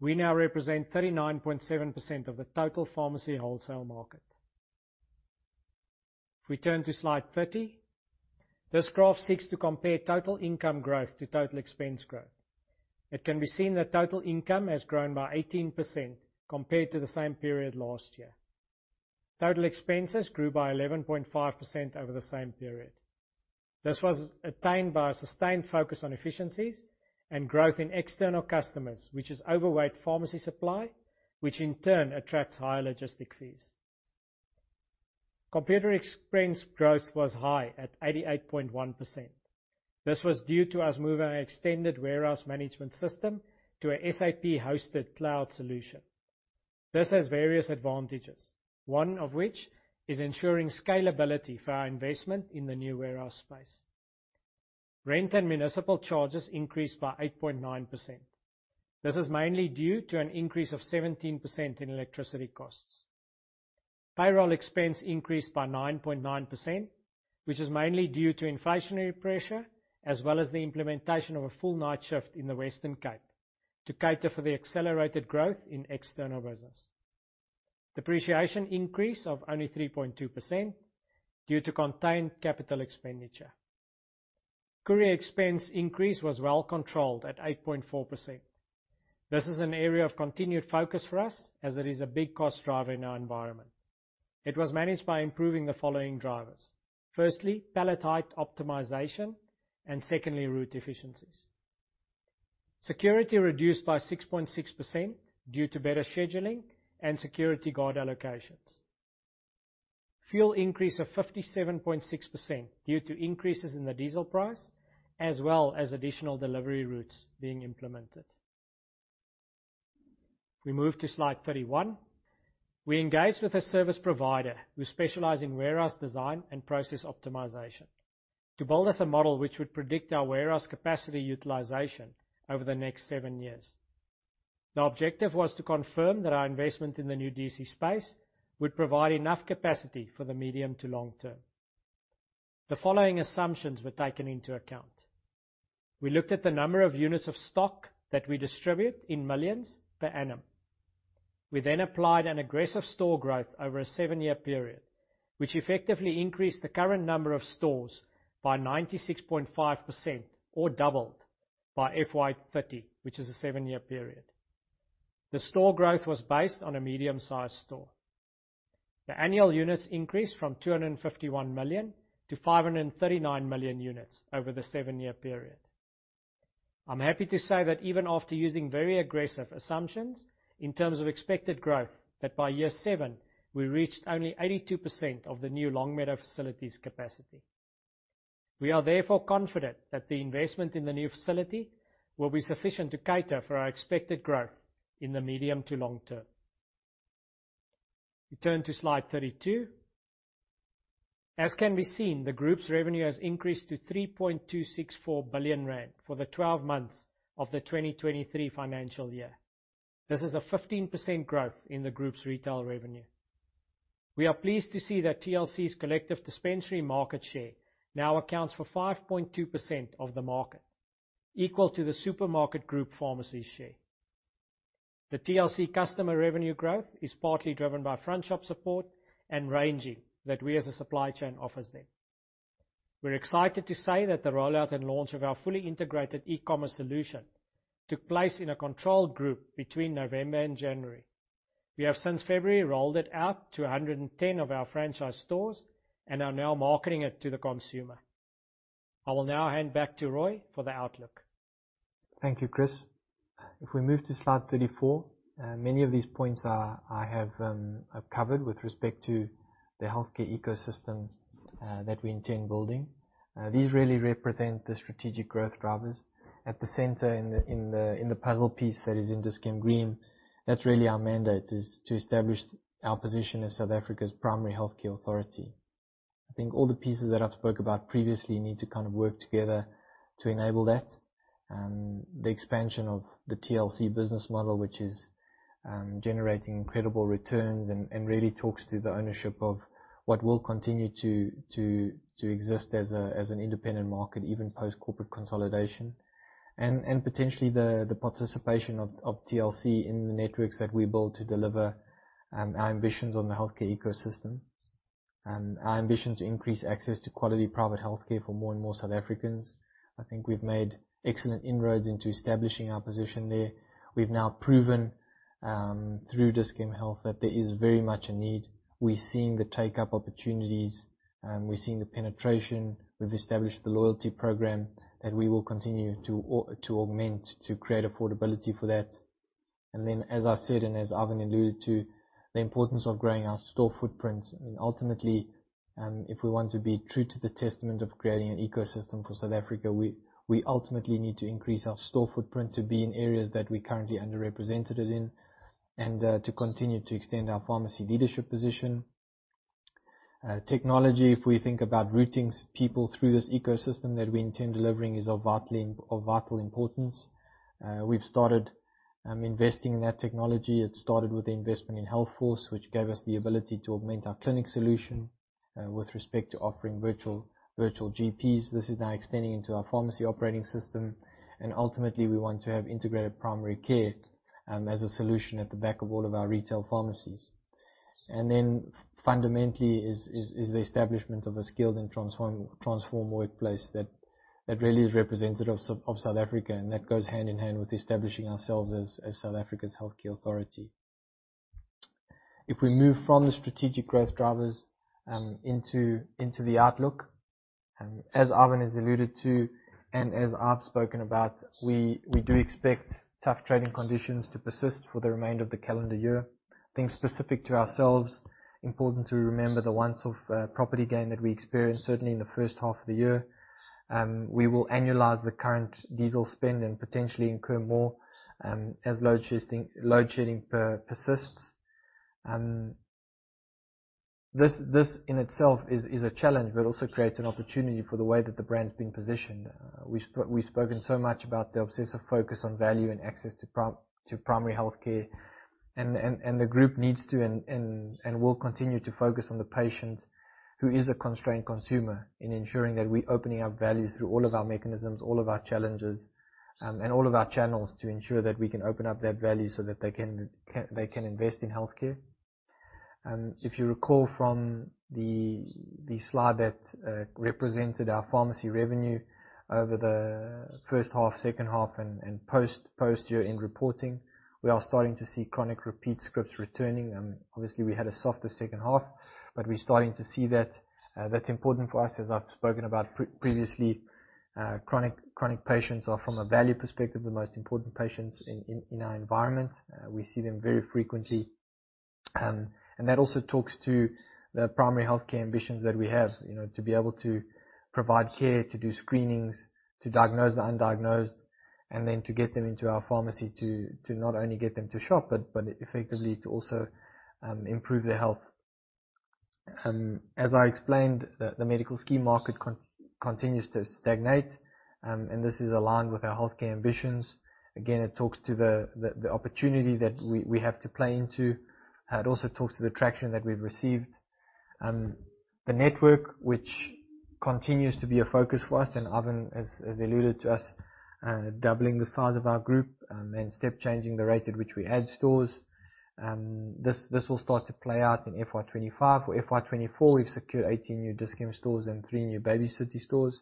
We now represent 39.7% of the total pharmacy wholesale market. If we turn to slide 30. This graph seeks to compare total income growth to total expense growth. It can be seen that total income has grown by 18% compared to the same period last year. Total expenses grew by 11.5% over the same period. This was attained by a sustained focus on efficiencies and growth in external customers, which is overweight pharmacy supply, which in turn attracts higher logistic fees. Computer expense growth was high at 88.1%. This was due to us moving our extended warehouse management system to a SAP-hosted cloud solution. This has various advantages, one of which is ensuring scalability for our investment in the new warehouse space. Rent and municipal charges increased by 8.9%. This is mainly due to an increase of 17% in electricity costs. Payroll expense increased by 9.9%, which is mainly due to inflationary pressure, as well as the implementation of a full night shift in the Western Cape to cater for the accelerated growth in external business. Depreciation increase of only 3.2% due to contained capital expenditure. Courier expense increase was well controlled at 8.4%. This is an area of continued focus for us as it is a big cost driver in our environment. It was managed by improving the following drivers: firstly, pallet height optimization, and secondly, route efficiencies. Security reduced by 6.6% due to better scheduling and security guard allocations. Fuel increase of 57.6% due to increases in the diesel price as well as additional delivery routes being implemented. If we move to slide 31. We engaged with a service provider who specialize in warehouse design and process optimization to build us a model which would predict our warehouse capacity utilization over the next seven years. The objective was to confirm that our investment in the new DC space would provide enough capacity for the medium to long term. The following assumptions were taken into account. We looked at the number of units of stock that we distribute in millions per annum. We applied an aggressive store growth over a seven-year period, which effectively increased the current number of stores by 96.5% or doubled by FY30, which is a seven-year period. The store growth was based on a medium-sized store. The annual units increased from 251 million to 539 million units over the seven-year period. I'm happy to say that even after using very aggressive assumptions in terms of expected growth, that by year seven we reached only 82% of the new Longmeadow facilities capacity. We are therefore confident that the investment in the new facility will be sufficient to cater for our expected growth in the medium to long term. We turn to slide 32. As can be seen, the group's revenue has increased to 3.264 billion rand for the 12 months of the 2023 financial year. This is a 15% growth in the group's retail revenue. We are pleased to see that TLC's collective dispensary market share now accounts for 5.2% of the market, equal to the supermarket group pharmacy share. The TLC customer revenue growth is partly driven by front shop support and ranging that we as a supply chain offers them. We're excited to say that the rollout and launch of our fully integrated e-commerce solution took place in a control group between November and January. We have since February, rolled it out to 110 of our franchise stores and are now marketing it to the consumer. I will now hand back to Rui for the outlook. Thank you, Chris. If we move to slide 34, many of these points I've covered with respect to the healthcare ecosystem that we intend building. These really represent the strategic growth drivers. At the center in the puzzle piece that is in Dis-Chem Green, that's really our mandate, is to establish our position as South Africa's primary healthcare authority. I think all the pieces that I've spoke about previously need to kind of work together to enable that, the expansion of the TLC business model, which is generating incredible returns and really talks to the ownership of what will continue to exist as a, as an independent market, even post-corporate consolidation. Potentially the participation of TLC in the networks that we build to deliver our ambitions on the healthcare ecosystem. Our ambition to increase access to quality private healthcare for more and more South Africans. I think we've made excellent inroads into establishing our position there. We've now proven through Dis-Chem Health that there is very much a need. We're seeing the take-up opportunities, we're seeing the penetration. We've established the loyalty program that we will continue to augment to create affordability for that. As I said, and as Ivan alluded to, the importance of growing our store footprint. I mean, ultimately, if we want to be true to the testament of creating an ecosystem for South Africa, we ultimately need to increase our store footprint to be in areas that we're currently underrepresented in, to continue to extend our pharmacy leadership position. Technology, if we think about routing people through this ecosystem that we intend delivering is of vital importance. We've started investing in that technology. It started with the investment in Healthforce, which gave us the ability to augment our clinic solution, with respect to offering virtual GPs. This is now extending into our pharmacy operating system, and ultimately we want to have integrated primary care as a solution at the back of all of our retail pharmacies. Fundamentally is the establishment of a skilled and transformed workplace that really is representative of South Africa. That goes hand in hand with establishing ourselves as South Africa's healthcare authority. If we move from the strategic growth drivers into the outlook, as Ivan has alluded to and as I've spoken about, we do expect tough trading conditions to persist for the remainder of the calendar year. Things specific to ourselves, important to remember the once off property gain that we experienced certainly in the first half of the year. We will annualize the current diesel spend and potentially incur more as load shedding persists. This in itself is a challenge, but it also creates an opportunity for the way that the brand's been positioned. We've spoken so much about the obsessive focus on value and access to primary healthcare and the group needs to and will continue to focus on the patient who is a constrained consumer in ensuring that we're opening up value through all of our mechanisms, all of our challenges, and all of our channels to ensure that we can open up that value so that they can invest in healthcare. If you recall from the slide that represented our pharmacy revenue over the first half, second half, and post year-end reporting, we are starting to see chronic repeat scripts returning. Obviously we had a softer second half, we're starting to see that's important for us, as I've spoken about previously. Chronic patients are, from a value perspective, the most important patients in our environment. We see them very frequently. That also talks to the primary healthcare ambitions that we have, you know, to be able to provide care, to do screenings, to diagnose the undiagnosed, and then to get them into our pharmacy to not only get them to shop, but effectively to also improve their health. As I explained, the medical scheme market continues to stagnate, and this is aligned with our healthcare ambitions. Again, it talks to the opportunity that we have to play into. It also talks to the traction that we've received. The network which continues to be a focus for us and Ivan has alluded to us doubling the size of our group and step changing the rate at which we add stores. This will start to play out in FY2025. For FY2024, we've secured 18 new Dis-Chem stores and three new Baby City stores.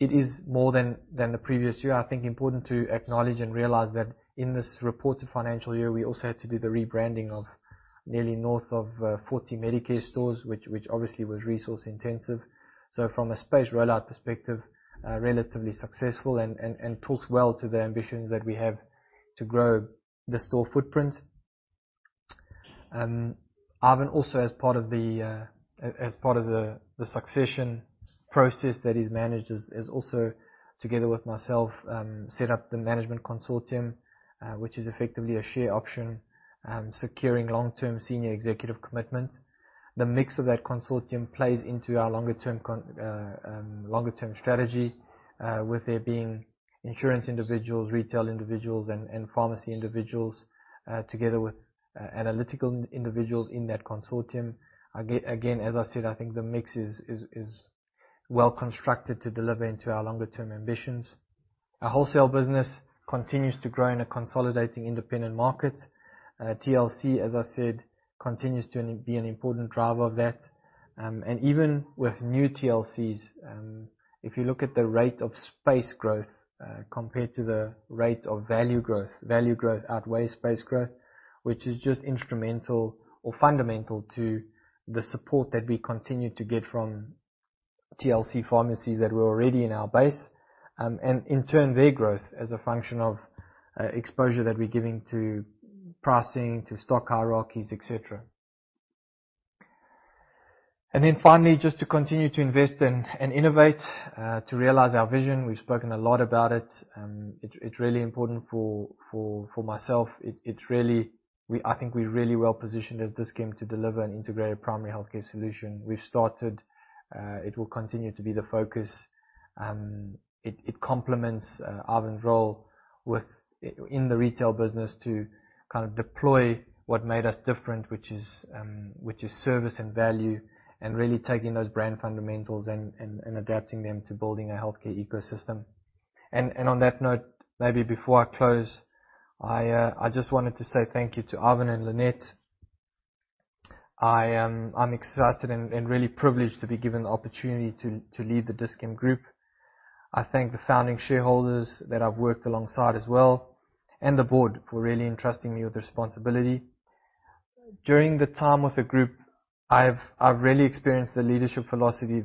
It is more than the previous year. I think important to acknowledge and realize that in this reported financial year, we also had to do the rebranding of nearly North of 40 Medicare stores, which obviously was resource intensive. From a space rollout perspective, relatively successful and talks well to the ambition that we have to grow the store footprint. Ivan also as part of the as part of the succession process that he's managed is also together with myself set up the management consortium, which is effectively a share option, securing long-term senior executive commitment. The mix of that consortium plays into our longer term strategy with there being insurance individuals, retail individuals and pharmacy individuals, together with analytical individuals in that consortium. Again, as I said, I think the mix is well constructed to deliver into our longer term ambitions. Our wholesale business continues to grow in a consolidating independent market. TLC, as I said, continues to be an important driver of that. Even with new TLCs, if you look at the rate of space growth, compared to the rate of value growth, value growth outweighs space growth, which is just instrumental or fundamental to the support that we continue to get from TLC pharmacies that were already in our base, and in turn their growth as a function of exposure that we're giving to pricing, to stock hierarchies, et cetera. Finally, just to continue to invest and innovate to realize our vision. We've spoken a lot about it. It's really important for myself. I think we're really well positioned as Dis-Chem to deliver an integrated primary healthcare solution. We've started, it will continue to be the focus. It complements Ivan's role in the retail business to kind of deploy what made us different, which is service and value, and really taking those brand fundamentals and adapting them to building a healthcare ecosystem. On that note, maybe before I close, I just wanted to say thank you to Ivan and Lynette. I'm excited and really privileged to be given the opportunity to lead the Dis-Chem group. I thank the founding shareholders that I've worked alongside as well, and the board for really entrusting me with the responsibility. During the time with the group, I've really experienced the leadership philosophy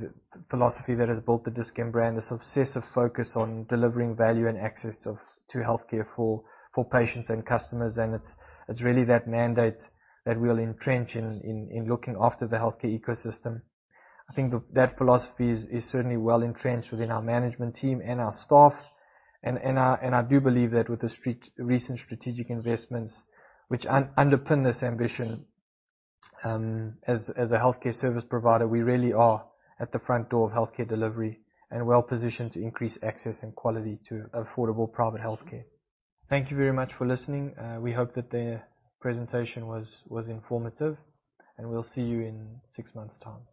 that has built the Dis-Chem brand, this obsessive focus on delivering value and access to healthcare for patients and customers, and it's really that mandate that we'll entrench in looking after the healthcare ecosystem. I think that philosophy is certainly well entrenched within our management team and our staff, and I do believe that with the recent strategic investments which underpin this ambition, as a healthcare service provider, we really are at the front door of healthcare delivery and well-positioned to increase access and quality to affordable private healthcare. Thank you very much for listening. We hope that the presentation was informative, and we'll see you in six months' time.